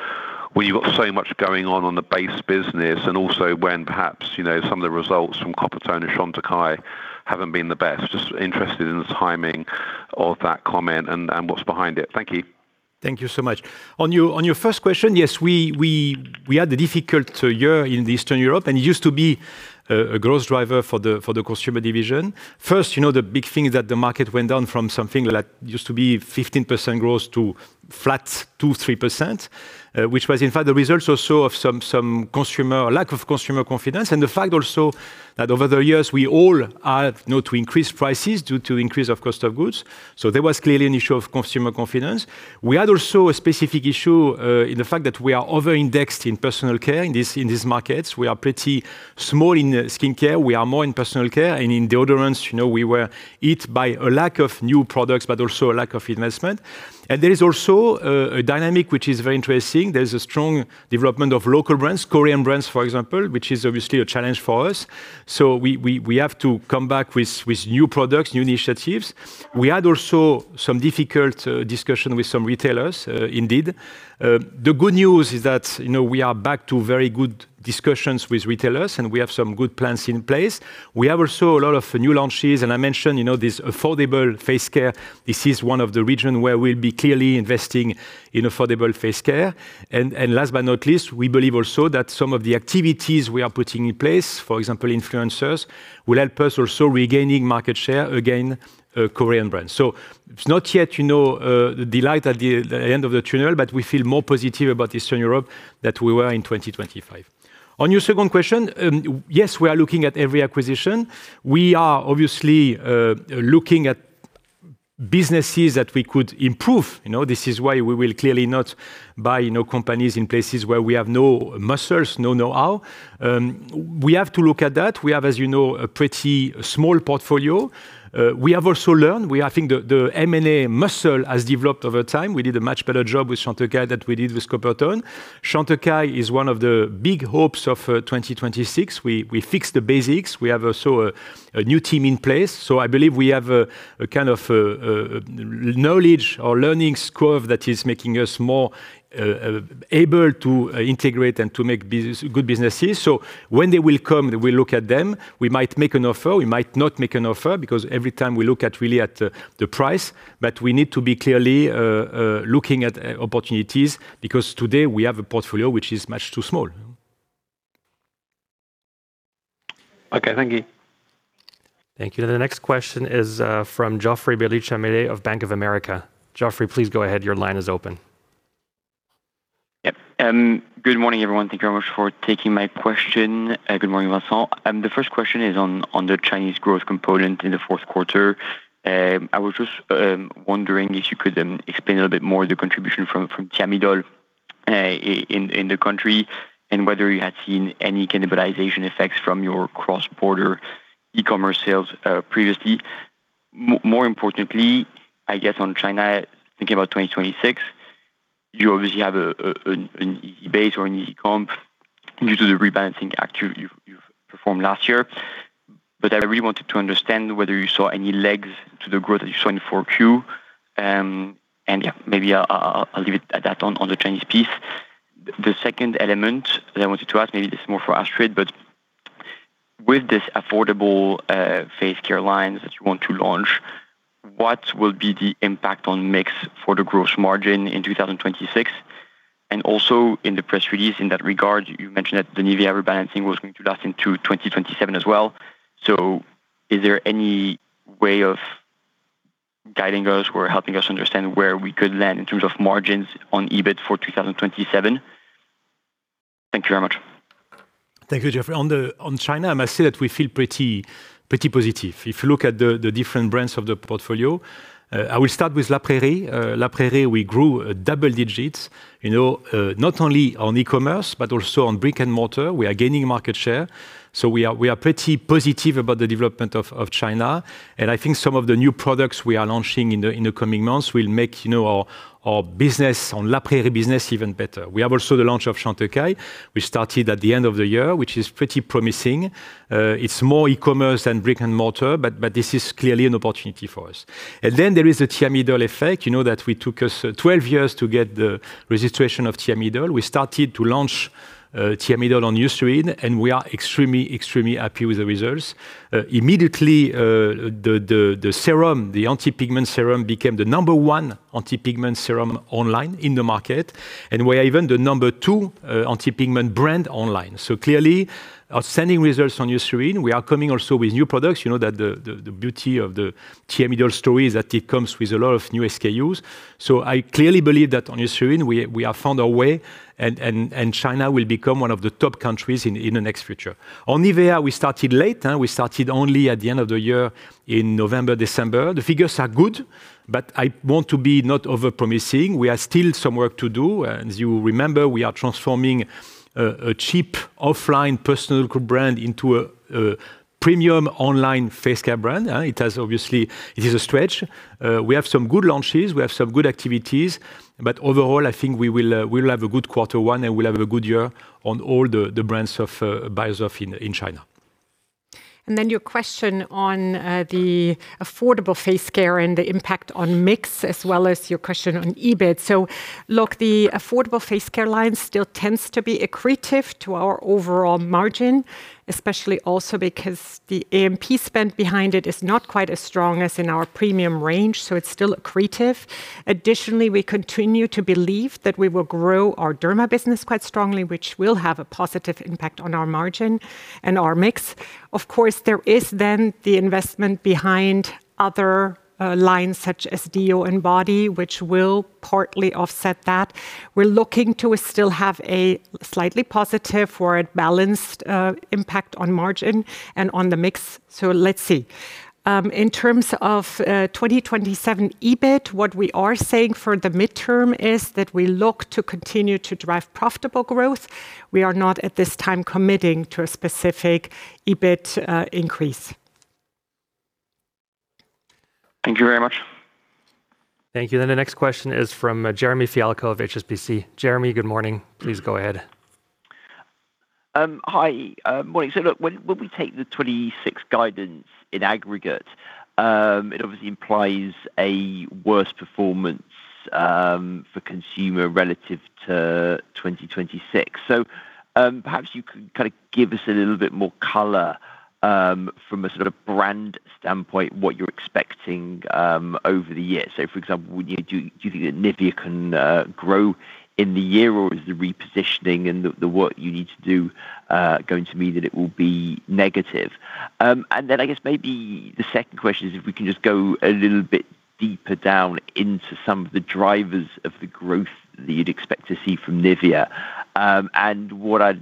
[SPEAKER 6] where you've got so much going on on the base business and also when perhaps, you know, some of the results from Coppertone or Chantecaille haven't been the best? Interested in the timing of that comment and what's behind it. Thank you.
[SPEAKER 1] Thank you so much. On your first question, yes, we had a difficult year in Eastern Europe. It used to be a growth driver for the consumer division. First, you know, the big thing is that the market went down from something that used to be 15% growth to flat 2%, 3%, which was in fact the results also of some lack of consumer confidence. The fact also that over the years, we all had, you know, to increase prices due to increase of cost of goods. There was clearly an issue of consumer confidence. We had also a specific issue in the fact that we are over-indexed in personal care in these markets. We are pretty small in skincare. We are more in personal care and in deodorants. You know, we were hit by a lack of new products but also a lack of investment. There is also a dynamic which is very interesting. There's a strong development of local brands, Korean brands, for example, which is obviously a challenge for us. We have to come back with new products, new initiatives. We had also some difficult discussion with some retailers, indeed. The good news is that, you know, we are back to very good discussions with retailers, and we have some good plans in place. We have also a lot of new launches, and I mentioned, you know, this affordable face care. This is one of the region where we'll be clearly investing in affordable face care. Last but not least, we believe also that some of the activities we are putting in place, for example, influencers, will help us also regaining market share against Korean brands. It's not yet, you know, the light at the end of the tunnel, but we feel more positive about Eastern Europe than we were in 2025. On your second question, yes, we are looking at every acquisition. We are obviously looking at businesses that we could improve. You know, this is why we will clearly not buy, you know, companies in places where we have no muscles, no know-how. We have to look at that. We have, as you know, a pretty small portfolio. We have also learned. I think the M&A muscle has developed over time. We did a much better job with Chantecaille than we did with Coppertone. Chantecaille is one of the big hopes of 2026. We fixed the basics. We have also a new team in place. I believe we have a kind of knowledge or learning curve that is making us more able to integrate and to make good businesses. When they will come, we'll look at them. We might make an offer. We might not make an offer because every time we look at really at the price. We need to be clearly looking at opportunities because today we have a portfolio which is much too small.
[SPEAKER 6] Okay. Thank you.
[SPEAKER 3] Thank you. The next question is from Joffré Bellicha Meller of Bank of America. Joffrey, please go ahead. Your line is open.
[SPEAKER 7] Good morning, everyone. Thank you very much for taking my question. Good morning, Vincent. The first question is on the Chinese growth component in the fourth quarter. I was just wondering if you could explain a little bit more the contribution from Thiamidol in the country and whether you had seen any cannibalization effects from your cross-border e-commerce sales previously. More importantly, I guess on China, thinking about 2026, you obviously have an easy base or an easy comp due to the rebalancing activity you've performed last year. I really wanted to understand whether you saw any legs to the growth that you saw in 4Q. Yeah, maybe I'll leave it at that on the Chinese piece. The second element that I wanted to ask, maybe it's more for Astrid, but with this affordable, face care lines that you want to launch, what will be the impact on mix for the gross margin in 2026? In the press release in that regard, you mentioned that the NIVEA rebalancing was going to last into 2027 as well. Is there any way of guiding us or helping us understand where we could land in terms of margins on EBIT for 2027? Thank you very much.
[SPEAKER 1] Thank you, Joffrey. On China, I must say that we feel pretty positive. If you look at the different brands of the portfolio, I will start with La Prairie. La Prairie, we grew double digits, you know, not only on e-commerce but also on brick-and-mortar. We are gaining market share. So we are pretty positive about the development of China, and I think some of the new products we are launching in the coming months will make, you know, our business on La Prairie business even better. We have also the launch of Chantecaille, which started at the end of the year, which is pretty promising. It's more e-commerce than brick-and-mortar, but this is clearly an opportunity for us. There is the Thiamidol effect, you know, that we took us 12 years to get the registration of Thiamidol. We started to launch Thiamidol on Eucerin, and we are extremely happy with the results. Immediately, the, the serum, the anti-pigment serum, became the number one anti-pigment serum online in the market. We are even the number two anti-pigment brand online. Clearly, outstanding results on Eucerin. We are coming also with new products, you know, that the beauty of the Thiamidol story is that it comes with a lot of new SKUs. I clearly believe that on Eucerin, we have found our way and, and China will become one of the top countries in the next future. On NIVEA, we started late, huh? We started only at the end of the year in November, December. The figures are good, but I want to be not over-promising. We have still some work to do. As you remember, we are transforming a cheap offline personal brand into a premium online face care brand, it has obviously, it is a stretch. We have some good launches, we have some good activities, but overall, I think we will have a good quarter one, and we'll have a good year on all the brands of Beiersdorf in China.
[SPEAKER 2] Then your question on the affordable face care and the impact on mix, as well as your question on EBIT. Look, the affordable face care line still tends to be accretive to our overall margin, especially also because the AMP spend behind it is not quite as strong as in our premium range, it's still accretive. Additionally, we continue to believe that we will grow our derma business quite strongly, which will have a positive impact on our margin and our mix. Of course, there is then the investment behind other lines such as deo and body, which will partly offset that. We're looking to still have a slightly positive or a balanced impact on margin and on the mix. Let's see. In terms of 2027 EBIT, what we are saying for the midterm is that we look to continue to drive profitable growth. We are not at this time committing to a specific EBIT increase.
[SPEAKER 7] Thank you very much.
[SPEAKER 3] Thank you. The next question is from Jeremy Fialko of HSBC. Jeremy, good morning. Please go ahead.
[SPEAKER 8] Morning. Look, when we take the 2026 guidance in aggregate, it obviously implies a worse performance for consumer relative to 2026. Perhaps you could kind of give us a little bit more color from a sort of brand standpoint, what you're expecting over the year. For example, do you think that NIVEA can grow in the year, or is the repositioning and the work you need to do going to mean that it will be negative? I guess maybe the second question is if we can just go a little bit deeper down into some of the drivers of the growth that you'd expect to see from NIVEA. What I'd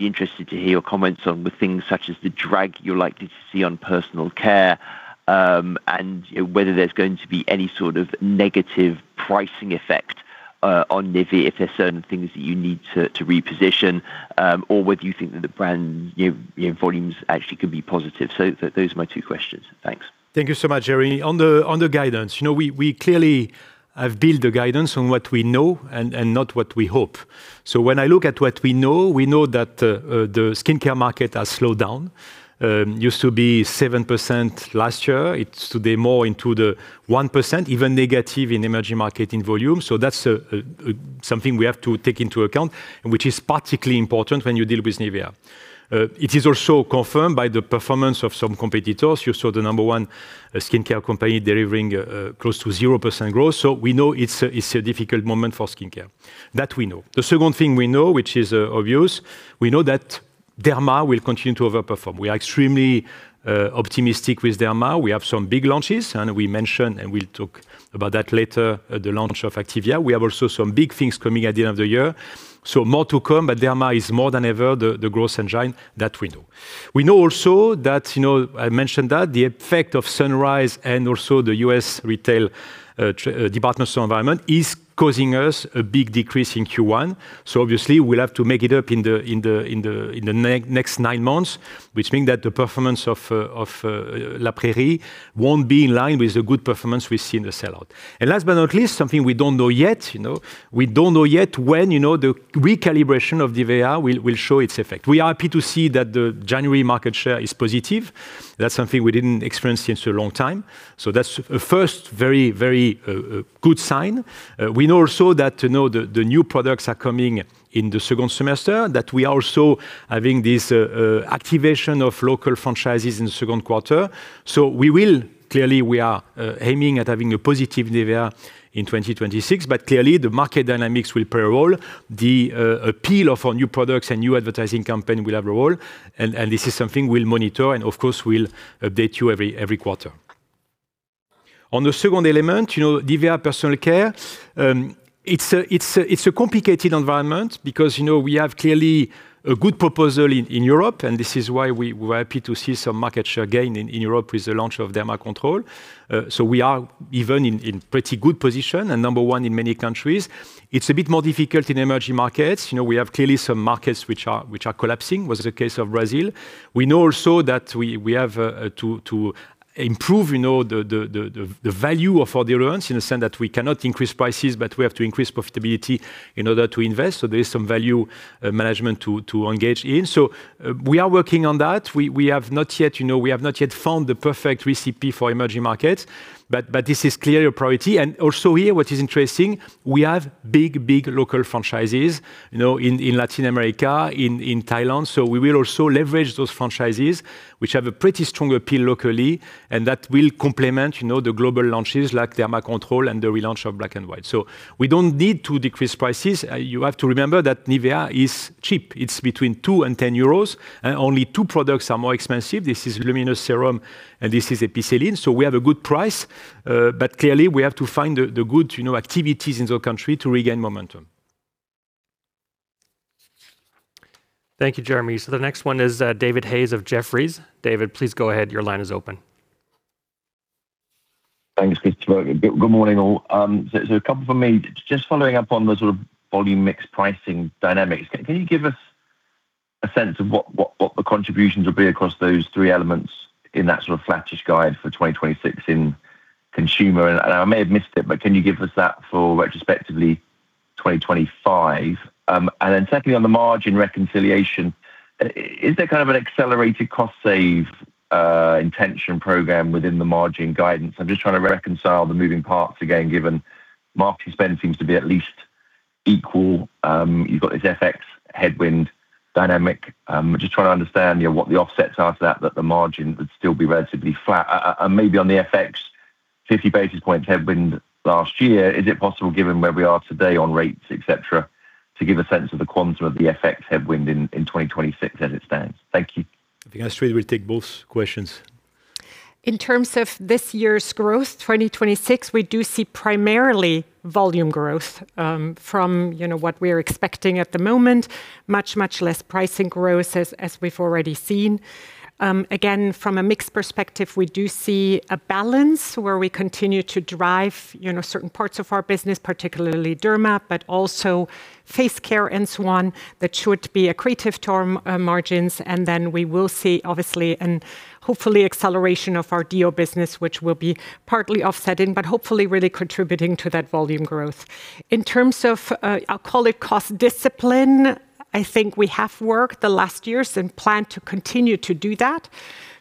[SPEAKER 8] be interested to hear your comments on were things such as the drag you're likely to see on personal care, and whether there's going to be any sort of negative pricing effect, on NIVEA if there's certain things that you need to reposition, or whether you think that the brand, you know, volumes actually could be positive. Those are my two questions. Thanks.
[SPEAKER 1] Thank you so much, Jeremy. On the guidance, you know, we clearly have built the guidance on what we know and not what we hope. When I look at what we know, we know that the skincare market has slowed down. Used to be 7% last year. It's today more into the 1%, even negative in emerging market in volume. That's something we have to take into account, and which is particularly important when you deal with NIVEA. It is also confirmed by the performance of some competitors. You saw the number one skincare company delivering close to 0% growth. We know it's a difficult moment for skincare. That we know. The second thing we know, which is obvious, we know that derma will continue to overperform. We are extremely optimistic with derma. We have some big launches, we mentioned, and we'll talk about that later at the launch of [Eucerin]. We have also some big things coming at the end of the year. Obviously, we'll have to make it up in the next nine months, which mean that the performance of La Prairie won't be in line with the good performance we see in the sell-out. Last but not least, something we don't know yet, you know. We don't know yet when, you know, the recalibration of NIVEA will show its effect. We are happy to see that the January market share is positive. That's something we didn't experience since a long time. That's a first very, very good sign. We know also that, you know, the new products are coming in the second semester, that we are also having this activation of local franchises in the second quarter. Clearly, we are aiming at having a positive NIVEA in 2026, clearly, the market dynamics will play a role. The appeal of our new products and new advertising campaign will have a role. This is something we'll monitor and of course, we'll update you every quarter. On the second element, you know, NIVEA Personal Care, it's a complicated environment because, you know, we have clearly a good proposal in Europe, and this is why we were happy to see some market share gain in Europe with the launch of Derma Control. We are even in pretty good position and number one in many countries. It's a bit more difficult in emerging markets. You know, we have clearly some markets which are collapsing, was the case of Brazil. We know also that we have to improve, you know, the value of our deodorants in the sense that we cannot increase prices, but we have to increase profitability in order to invest. There is some value management to engage in. We are working on that. We have not yet, you know, we have not yet found the perfect recipe for emerging markets, but this is clearly a priority. Also here, what is interesting, we have big local franchises, you know, in Latin America, in Thailand. We will also leverage those franchises which have a pretty strong appeal locally and that will complement, you know, the global launches like Derma Control and the relaunch of Black & White. We don't need to decrease prices. You have to remember that NIVEA is cheap. It's between 2 and 10 euros, and only two products are more expensive. This is Luminous serum, and this is Epicelline. We have a good price, but clearly we have to find the good, you know, activities in the country to regain momentum.
[SPEAKER 3] Thank you, Jeremy. The next one is David Hayes of Jefferies. David, please go ahead. Your line is open.
[SPEAKER 9] Thanks, Christopher. Good morning, all. A couple for me. Just following up on the sort of volume mix pricing dynamics, can you give us a sense of what the contributions will be across those three elements in that sort of flattish guide for 2026 in consumer? I may have missed it, but can you give us that for retrospectively 2025? Secondly, on the margin reconciliation, is there kind of an accelerated cost save intention program within the margin guidance? I'm just trying to reconcile the moving parts again, given market spend seems to be at least equal. You've got this FX headwind dynamic. I'm just trying to understand, you know, what the offsets are to that the margin would still be relatively flat. Maybe on the FX 50 basis point headwind last year, is it possible given where we are today on rates, et cetera, to give a sense of the quantum of the FX headwind in 2026 as it stands? Thank you.
[SPEAKER 1] I think Astrid will take both questions.
[SPEAKER 2] In terms of this year's growth, 2026, we do see primarily volume growth, from, you know, what we're expecting at the moment. Much less pricing growth as we've already seen. Again, from a mix perspective, we do see a balance where we continue to drive, you know, certain parts of our business, particularly Derma, but also face care and so on. That should be accretive to our margins. We will see obviously and hopefully acceleration of our DO business, which will be partly offsetting, but hopefully really contributing to that volume growth. In terms of, I'll call it cost discipline, I think we have worked the last years and plan to continue to do that,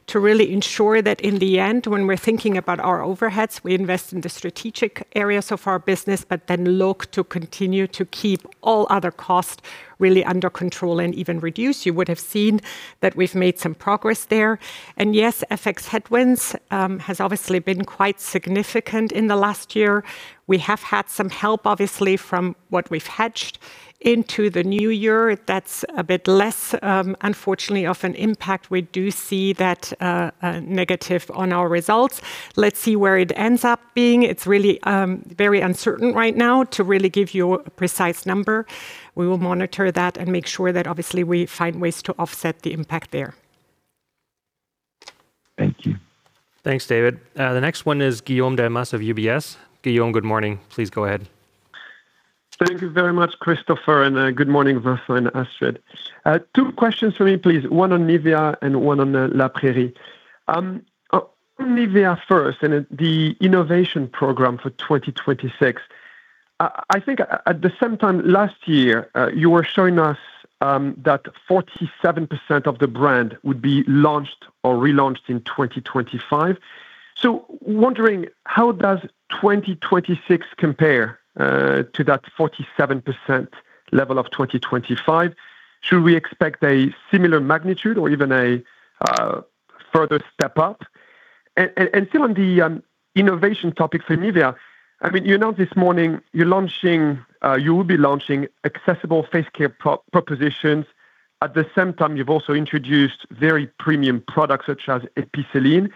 [SPEAKER 2] to really ensure that in the end, when we're thinking about our overheads, we invest in the strategic areas of our business, but then look to continue to keep all other costs really under control and even reduce. You would have seen that we've made some progress there. Yes, FX headwinds has obviously been quite significant in the last year. We have had some help, obviously, from what we've hedged into the new year. That's a bit less, unfortunately, of an impact. We do see that negative on our results. Let's see where it ends up being. It's really very uncertain right now to really give you a precise number. We will monitor that and make sure that obviously we find ways to offset the impact there.
[SPEAKER 9] Thank you.
[SPEAKER 3] Thanks, David. The next one is Guillaume Delmas of UBS. Guillaume, good morning. Please go ahead.
[SPEAKER 10] Thank you very much, Christopher. Good morning, Vincent and Astrid. Two questions for me, please. One on NIVEA and one on La Prairie. On NIVEA first and the innovation program for 2026. I think at the same time last year, you were showing us that 47% of the brand would be launched or relaunched in 2025. Wondering how does 2026 compare to that 47% level of 2025? Should we expect a similar magnitude or even a further step up? Still on the innovation topic for NIVEA, I mean, you know, this morning you will be launching accessible face care propositions. At the same time, you've also introduced very premium products such as Epicelline.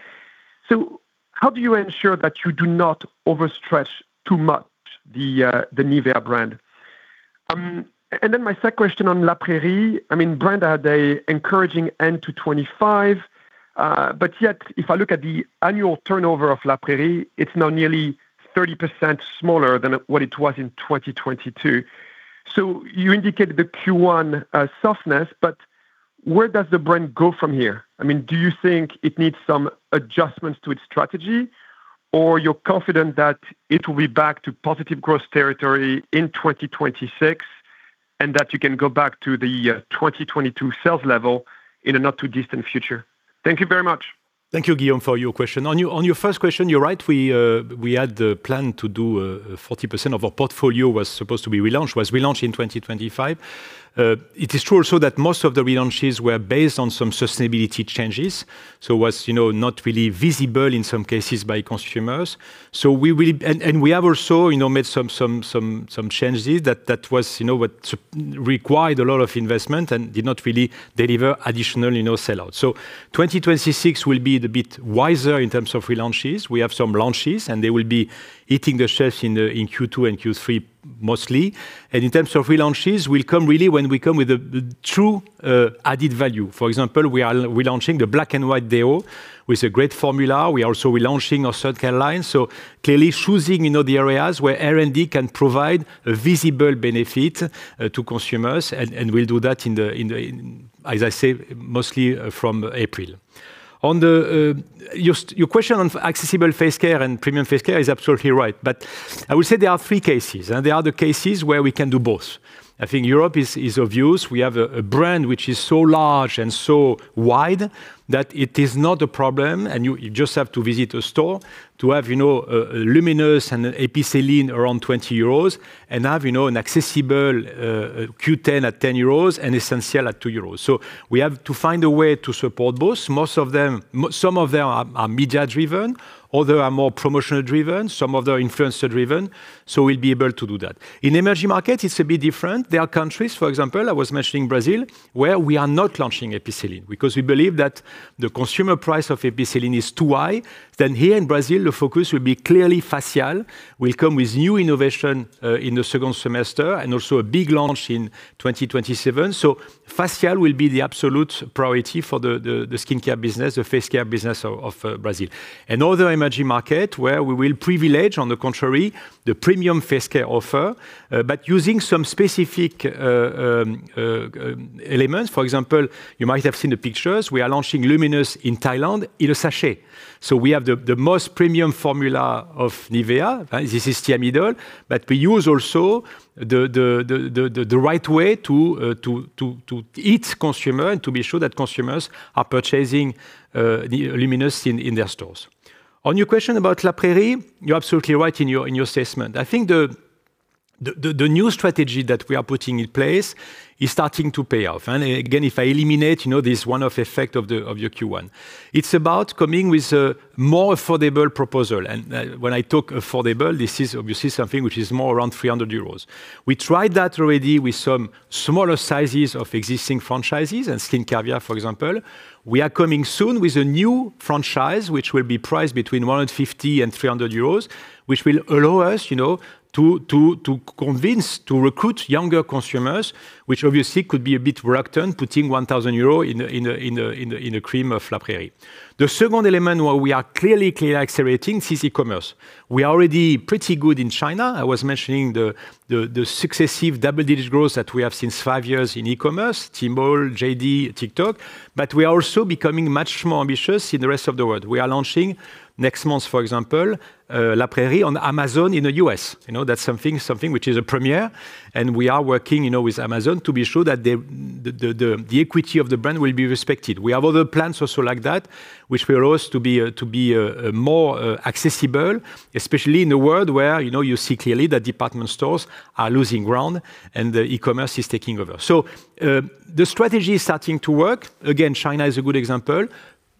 [SPEAKER 10] How do you ensure that you do not overstretch too much the NIVEA brand? my second question on La Prairie, I mean, Brenda, they encouraging end to 2025. yet, if I look at the annual turnover of La Prairie, it's now nearly 30% smaller than what it was in 2022. you indicated the Q1 softness, but where does the brand go from here? I mean, do you think it needs some adjustments to its strategy, or you're confident that it will be back to positive growth territory in 2026, and that you can go back to the 2022 sales level in a not too distant future? Thank you very much.
[SPEAKER 1] Thank you, Guillaume, for your question. On your first question, you're right. We had the plan to do 40% of our portfolio was supposed to be relaunched, was relaunched in 2025. It is true also that most of the relaunches were based on some sustainability changes. Was, you know, not really visible in some cases by consumers. We will and we have also, you know, made some changes that was, you know, what required a lot of investment and did not really deliver additional, you know, sell-out. 2026 will be the bit wiser in terms of relaunches. We have some launches, they will be hitting the shelves in Q2 and Q3 mostly. In terms of relaunches will come really when we come with the true added value. For example, we are relaunching the Black & White deo with a great formula. We are also relaunching our third care line. Clearly choosing, you know, the areas where R&D can provide a visible benefit to consumers. We'll do that in the, as I say, mostly from April. On your question on accessible face care and premium face care is absolutely right, I would say there are three cases, there are the cases where we can do both. I think Europe is obvious. We have a brand which is so large and so wide that it is not a problem, and you just have to visit a store to have, you know, Luminous and Epicelline around 20 euros and have, you know, an accessible Q10 at 10 euros and Essential at 2 euros. We have to find a way to support both. Most of them. Some of them are media driven, or they are more promotional driven, some of them influencer driven. We'll be able to do that. In emerging market, it's a bit different. There are countries, for example, I was mentioning Brazil, where we are not launching Epicelline because we believe that the consumer price of Epicelline is too high. Here in Brazil, the focus will be clearly Facial, will come with new innovation in the second semester and also a big launch in 2027. Facial will be the absolute priority for the skincare business, the face care business of Brazil. Another emerging market where we will privilege, on the contrary, the premium face care offer, but using some specific elements. For example, you might have seen the pictures. We are launching Luminous in Thailand in a sachet. We have the most premium formula of NIVEA. This is Thiamidol, but we use also the right way to each consumer and to be sure that consumers are purchasing the Luminous in their stores. Your question about La Prairie, you're absolutely right in your assessment. I think the new strategy that we are putting in place is starting to pay off. Again, if I eliminate, you know, this one-off effect of your Q1, it's about coming with a more affordable proposal. When I talk affordable, this is obviously something which is more around 300 euros. We tried that already with some smaller sizes of existing franchises and Skin Caviar, for example. We are coming soon with a new franchise, which will be priced between 150-300 euros, which will allow us, you know, to convince, to recruit younger consumers, which obviously could be a bit reluctant putting 1,000 euros in a cream of La Prairie. The second element where we are clearly accelerating is e-commerce. We are already pretty good in China. I was mentioning the successive double-digit growth that we have since five years in e-commerce, Tmall, JD, TikTok. We are also becoming much more ambitious in the rest of the world. We are launching next month, for example, La Prairie on Amazon in the U.S. You know, that's something which is a premiere. We are working, you know, with Amazon to be sure that the equity of the brand will be respected. We have other plans also like that, which will allow us to be more accessible, especially in a world where, you know, you see clearly that department stores are losing ground and the e-commerce is taking over. The strategy is starting to work. Again, China is a good example.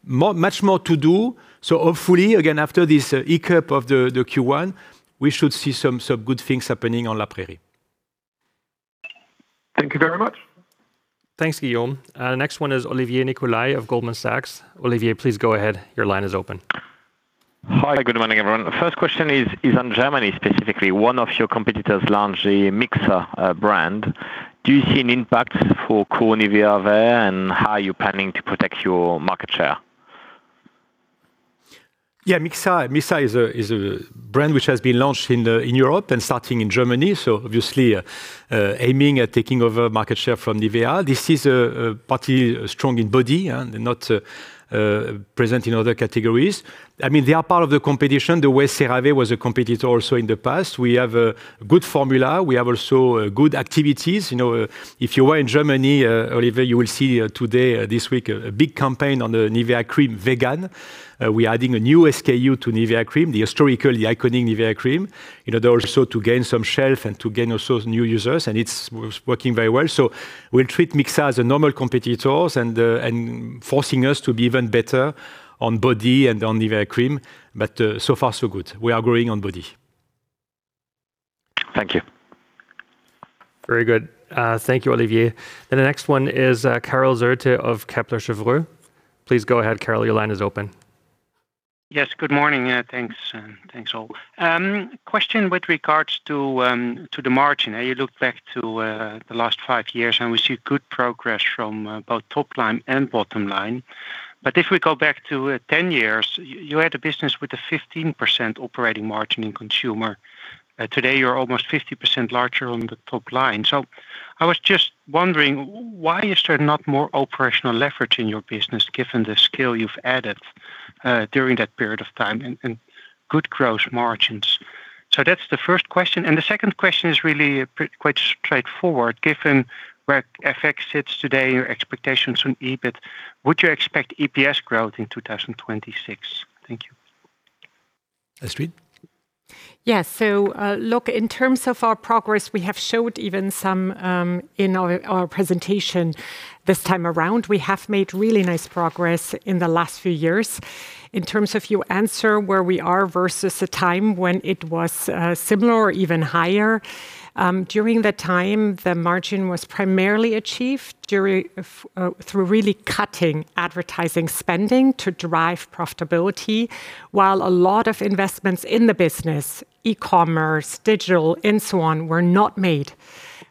[SPEAKER 1] Much more to do. Hopefully, again, after this ICAP of the Q1, we should see some good things happening on La Prairie.
[SPEAKER 10] Thank you very much.
[SPEAKER 3] Thanks, Guillaume. Next one is Olivier Nicolai of Goldman Sachs. Olivier, please go ahead. Your line is open.
[SPEAKER 11] Hi, good morning, everyone. First question is on Germany specifically. One of your competitors launched a Mixa brand. Do you see an impact for core NIVEA there, and how are you planning to protect your market share?
[SPEAKER 1] Yeah, Mixa. Mixa is a brand which has been launched in Europe and starting in Germany, so obviously, aiming at taking over market share from NIVEA. This is a party strong in body and not present in other categories. I mean, they are part of the competition, the way CeraVe was a competitor also in the past. We have a good formula. We have also good activities. You know, if you were in Germany, Olivier, you will see today this week a big campaign on the NIVEA cream vegan. We adding a new SKU to NIVEA cream, the historical, the iconic NIVEA cream. You know, they're also to gain some shelf and to gain also new users, and it's working very well. We'll treat Mixa as a normal competitors and forcing us to be even better on body and on NIVEA cream, but, so far, so good. We are growing on body.
[SPEAKER 11] Thank you.
[SPEAKER 3] Very good. Thank you, Olivier. The next one is, Karel Zoete of Kepler Cheuvreux. Please go ahead, Karel. Your line is open.
[SPEAKER 12] Yes, good morning. Thanks. Thanks all. Question with regards to the margin. You look back to the last five years, we see good progress from both top line and bottom line. If we go back to 10 years, you had a business with a 15% operating margin in consumer. Today you're almost 50% larger on the top line. I was just wondering, why is there not more operational leverage in your business given the scale you've added during that period of time and good growth margins? That's the first question. The second question is really quite straightforward. Given where FX sits today, your expectations on EBIT, would you expect EPS growth in 2026? Thank you.
[SPEAKER 1] Astrid?
[SPEAKER 2] Look, in terms of our progress, we have showed even some, in our presentation this time around. We have made really nice progress in the last few years. In terms of your answer, where we are versus the time when it was, similar or even higher, during that time, the margin was primarily achieved through really cutting advertising spending to drive profitability while a lot of investments in the business, e-commerce, digital, and so on, were not made.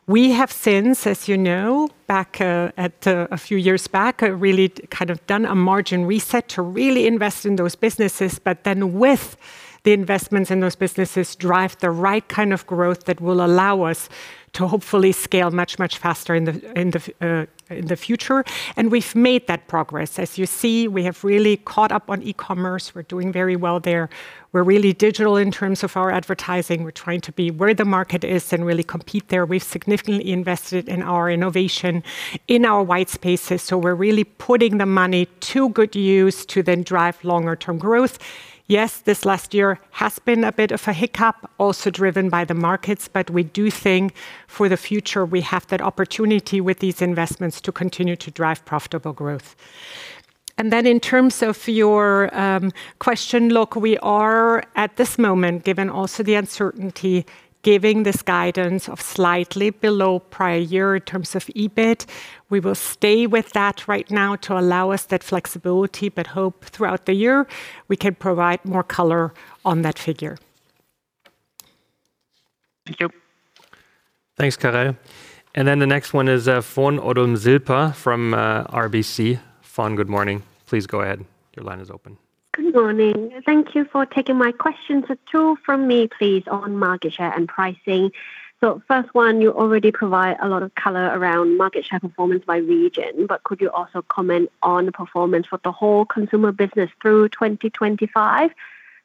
[SPEAKER 2] We have since, as you know, back, at, a few years back, really kind of done a margin reset to really invest in those businesses. With the investments in those businesses, drive the right kind of growth that will allow us to hopefully scale much, much faster in the future. We've made that progress. As you see, we have really caught up on e-commerce. We're doing very well there. We're really digital in terms of our advertising. We're trying to be where the market is and really compete there. We've significantly invested in our innovation in our white spaces. We're really putting the money to good use to then drive longer term growth. Yes, this last year has been a bit of a hiccup, also driven by the markets, but we do think for the future we have that opportunity with these investments to continue to drive profitable growth. In terms of your question, look, we are at this moment, given also the uncertainty, giving this guidance of slightly below prior year in terms of EBIT. We will stay with that right now to allow us that flexibility, but hope throughout the year we can provide more color on that figure.
[SPEAKER 12] Thank you.
[SPEAKER 3] Thanks, Karel. The next one is Fon Udomsilpa from RBC. Fon, good morning. Please go ahead. Your line is open.
[SPEAKER 13] Good morning. Thank you for taking my questions. Two from me, please, on market share and pricing. First one, you already provide a lot of color around market share performance by region, but could you also comment on performance for the whole consumer business through 2025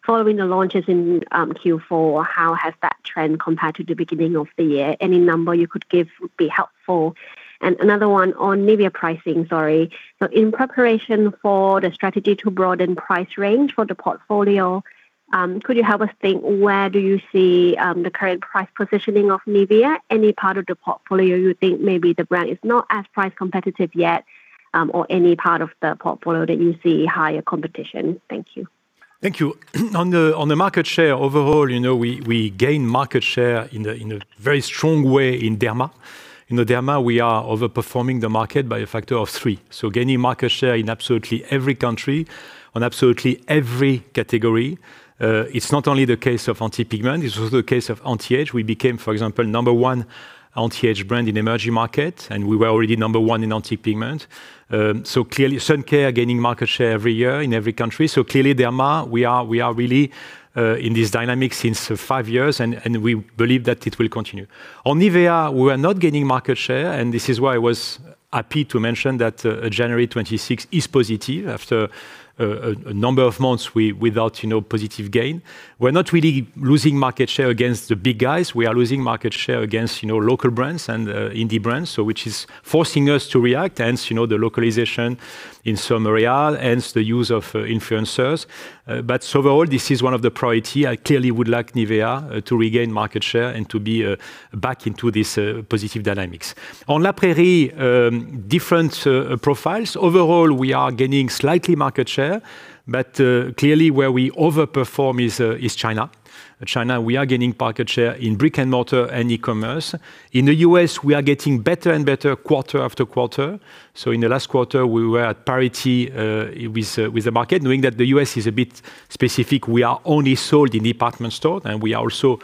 [SPEAKER 13] following the launches in Q4? How has that trend compared to the beginning of the year? Any number you could give would be helpful. Another one on NIVEA pricing, sorry. In preparation for the strategy to broaden price range for the portfolio, could you help us think where do you see the current price positioning of NIVEA? Any part of the portfolio you think maybe the brand is not as price competitive yet, or any part of the portfolio that you see higher competition? Thank you.
[SPEAKER 1] Thank you. On the market share overall, you know, we gain market share in a very strong way in Derma. In the Derma, we are overperforming the market by a factor of 3. Gaining market share in absolutely every country on absolutely every category. It's not only the case of anti-pigment, this was the case of anti-age. We became, for example, number one anti-age brand in emerging market, and we were already number one in anti-pigment. Clearly sun care gaining market share every year in every country, clearly Derma, we are really in this dynamic since five years, and we believe that it will continue. On NIVEA, we are not gaining market share, and this is why I was happy to mention that 26 January is positive after a number of months without, you know, positive gain. We're not really losing market share against the big guys. We are losing market share against, you know, local brands and indie brands, so which is forcing us to react, hence, you know, the localization in some real, hence the use of influencers. Overall, this is one of the priority. I clearly would like NIVEA to regain market share and to be back into this positive dynamics. On La Prairie, different profiles. Overall, we are gaining slightly market share, but clearly where we overperform is China. China, we are gaining market share in brick and mortar and e-commerce. In the U.S., we are getting better and better quarter after quarter. In the last quarter, we were at parity with the market. Knowing that the U.S. is a bit specific, we are only sold in department store, and we are also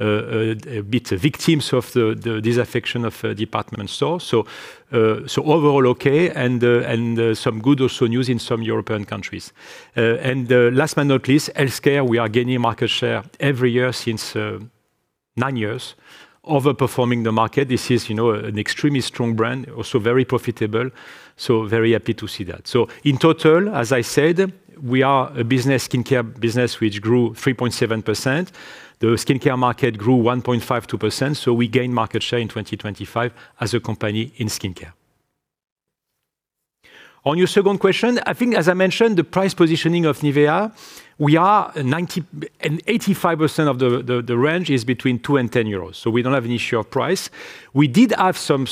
[SPEAKER 1] a bit victims of the disaffection of department stores. Overall okay, and some good also news in some European countries. Last but not least, Eucerin, we are gaining market share every year since nine years, overperforming the market. This is, you know, an extremely strong brand, also very profitable, very happy to see that. In total, as I said, we are a skincare business which grew 3.7%. The skincare market grew 1.52%, so we gained market share in 2025 as a company in skincare. On your second question, I think as I mentioned, the price positioning of NIVEA, we are 85% of the range is between 2 and 10 euros, we don't have an issue of price. We did have some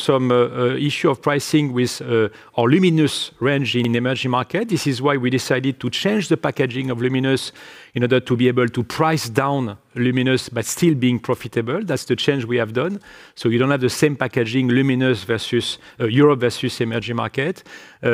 [SPEAKER 1] issue of pricing with our LUMINOUS630 range in emerging market. This is why we decided to change the packaging of LUMINOUS630 in order to be able to price down LUMINOUS630 but still being profitable. That's the change we have done. We don't have the same packaging, LUMINOUS630 versus Europe versus emerging market.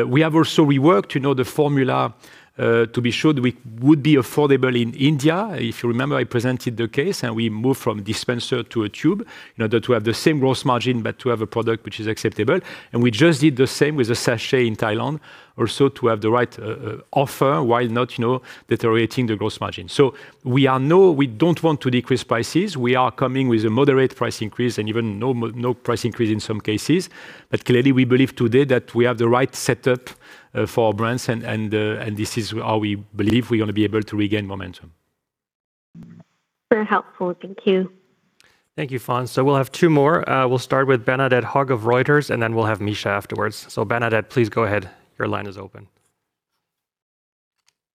[SPEAKER 1] We have also reworked, you know, the formula to be sure that we would be affordable in India. If you remember, I presented the case, we moved from dispenser to a tube, you know, that we have the same gross margin, but to have a product which is acceptable. We just did the same with the sachet in Thailand also to have the right offer while not, you know, deteriorating the gross margin. We don't want to decrease prices. We are coming with a moderate price increase and even no price increase in some cases. Clearly, we believe today that we have the right setup for our brands and, and this is how we believe we're gonna be able to regain momentum.
[SPEAKER 13] Very helpful. Thank you.
[SPEAKER 3] Thank you, Fon. We'll have two more. We'll start with Bernadette Baum of Reuters, and then we'll have Mishan afterwards. Bernadette, please go ahead. Your line is open.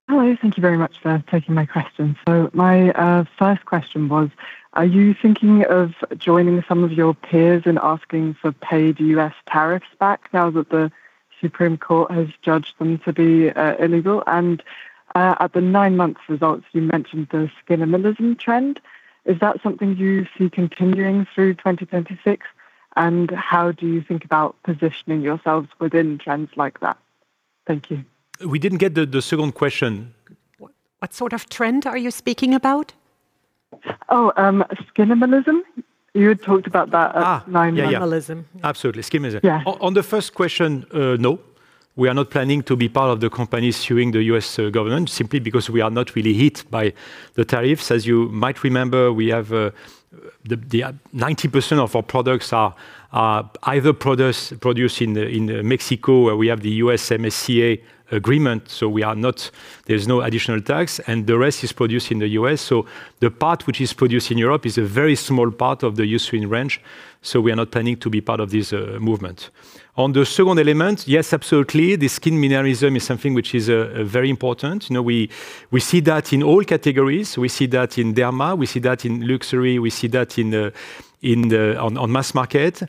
[SPEAKER 14] Hello. Thank you very much for taking my question. My first question was, are you thinking of joining some of your peers in asking for paid U.S. tariffs back now that the Supreme Court has judged them to be illegal? At the nine months results, you mentioned the skin minimalism trend. Is that something you see continuing through 2026? How do you think about positioning yourselves within trends like that? Thank you.
[SPEAKER 1] We didn't get the second question.
[SPEAKER 2] What sort of trend are you speaking about?
[SPEAKER 14] Skin minimalism. You had talked about that at nine months.
[SPEAKER 1] Yeah, yeah.
[SPEAKER 14] Minimalism.
[SPEAKER 1] Absolutely. Skin minimalism.
[SPEAKER 14] Yeah.
[SPEAKER 1] On the first question, no, we are not planning to be part of the company suing the U.S. government simply because we are not really hit by the tariffs. As you might remember, we have the 90% of our products are either produced in Mexico, where we have the USMCA agreement, so we are not there's no additional tax, and the rest is produced in the U.S. The part which is produced in Europe is a very small part of the Eucerin range, so we are not planning to be part of this movement. On the second element, yes, absolutely. The skin minimalism is something which is very important. You know, we see that in all categories. We see that in Derma, we see that in luxury, we see that in the mass market.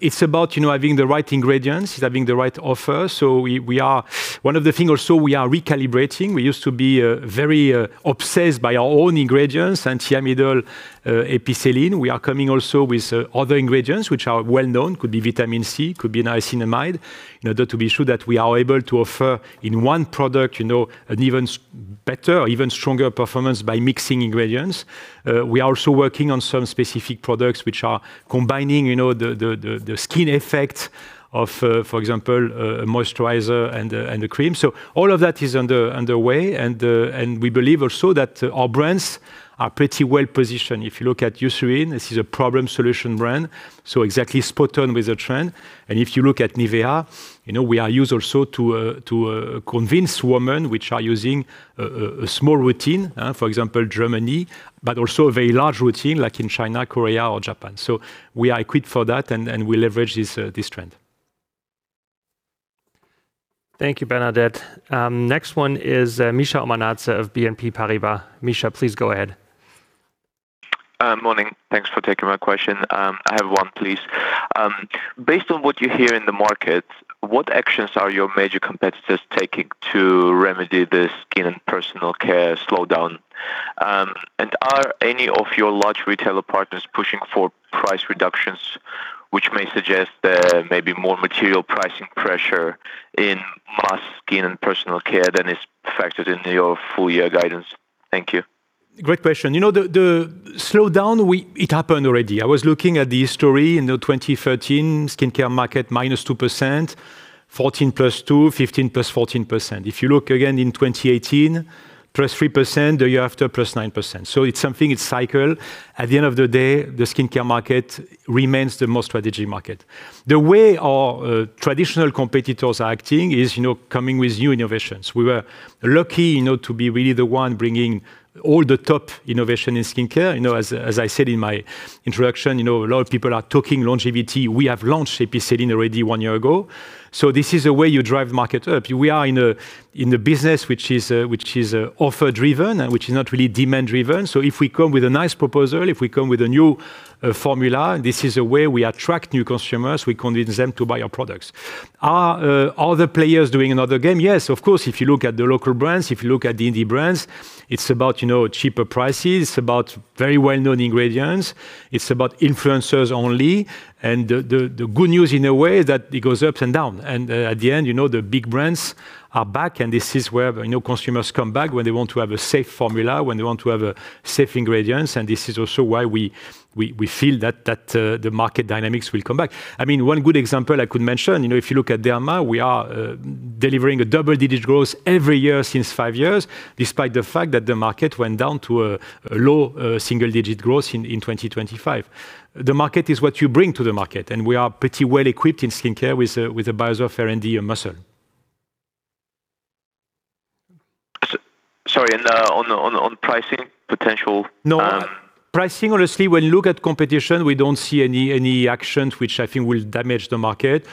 [SPEAKER 1] It's about, you know, having the right ingredients. It's having the right offer. We are one of the things also we are recalibrating, we used to be very obsessed by our own ingredients, Thiamidol, Epicelline. We are coming also with other ingredients which are well known, could be vitamin C, could be niacinamide, in order to be sure that we are able to offer in one product, you know, an even better or even stronger performance by mixing ingredients. We are also working on some specific products which are combining, you know, the skin effect of, for example, moisturizer and the cream. All of that is underway. We believe also that our brands are pretty well-positioned. If you look at Eucerin, this is a problem solution brand, exactly spot on with the trend. If you look at NIVEA, you know, we are used also to convince women which are using a small routine, for example, Germany, but also a very large routine like in China, Korea, or Japan. We are equipped for that and we leverage this trend.
[SPEAKER 3] Thank you, Bernadette. Next one is Mishan Omanadze of BNP Paribas. Mishan, please go ahead.
[SPEAKER 15] Morning. Thanks for taking my question. I have one, please. Based on what you hear in the market, what actions are your major competitors taking to remedy the skin and personal care slowdown? Are any of your large retailer partners pushing for price reductions, which may suggest there may be more material pricing pressure in mass skin and personal care than is factored into your full year guidance? Thank you.
[SPEAKER 1] Great question. You know, the slowdown, it happened already. I was looking at the history in the 2013 skincare market, -2%, 2014 +2%, 2015 +14%. If you look again in 2018, +3%, the year after, +9%. It's something, it's cycle. At the end of the day, the skincare market remains the most strategic market. The way our traditional competitors are acting is, you know, coming with new innovations. We were lucky, you know, to be really the one bringing all the top innovation in skincare. You know, as I said in my introduction, you know, a lot of people are talking longevity. We have launched Epicelline already one year ago. This is a way you drive the market up. We are in a business which is offer driven and which is not really demand driven. If we come with a nice proposal, if we come with a new formula, this is a way we attract new consumers. We convince them to buy our products. Are other players doing another game? Yes, of course, if you look at the local brands, if you look at the indie brands, it's about, you know, cheaper prices, about very well-known ingredients. It's about influencers only. The good news in a way is that it goes ups and down. At the end, you know, the big brands are back, and this is where, you know, consumers come back when they want to have a safe formula, when they want to have a safe ingredients. This is also why we feel that the market dynamics will come back. I mean, one good example I could mention, you know, if you look at Derma, we are delivering a double-digit growth every year since five years, despite the fact that the market went down to a low single-digit growth in 2025. The market is what you bring to the market, and we are pretty well-equipped in skincare with the Biosphere and the Muscle.
[SPEAKER 15] Sorry, on the pricing potential.
[SPEAKER 1] No, pricing, honestly, when look at competition, we don't see any action which I think will damage the market.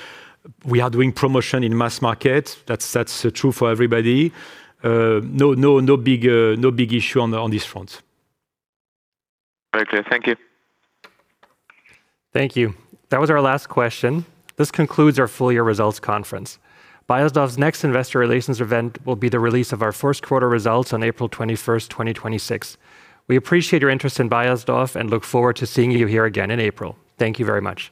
[SPEAKER 1] We are doing promotion in mass market. That's true for everybody. No big issue on this front.
[SPEAKER 15] Very clear. Thank you.
[SPEAKER 3] Thank you. That was our last question. This concludes our full-year results conference. Beiersdorf's next investor relations event will be the release of our first quarter results on 21 April 2026. We appreciate your interest in Beiersdorf and look forward to seeing you here again in April. Thank you very much.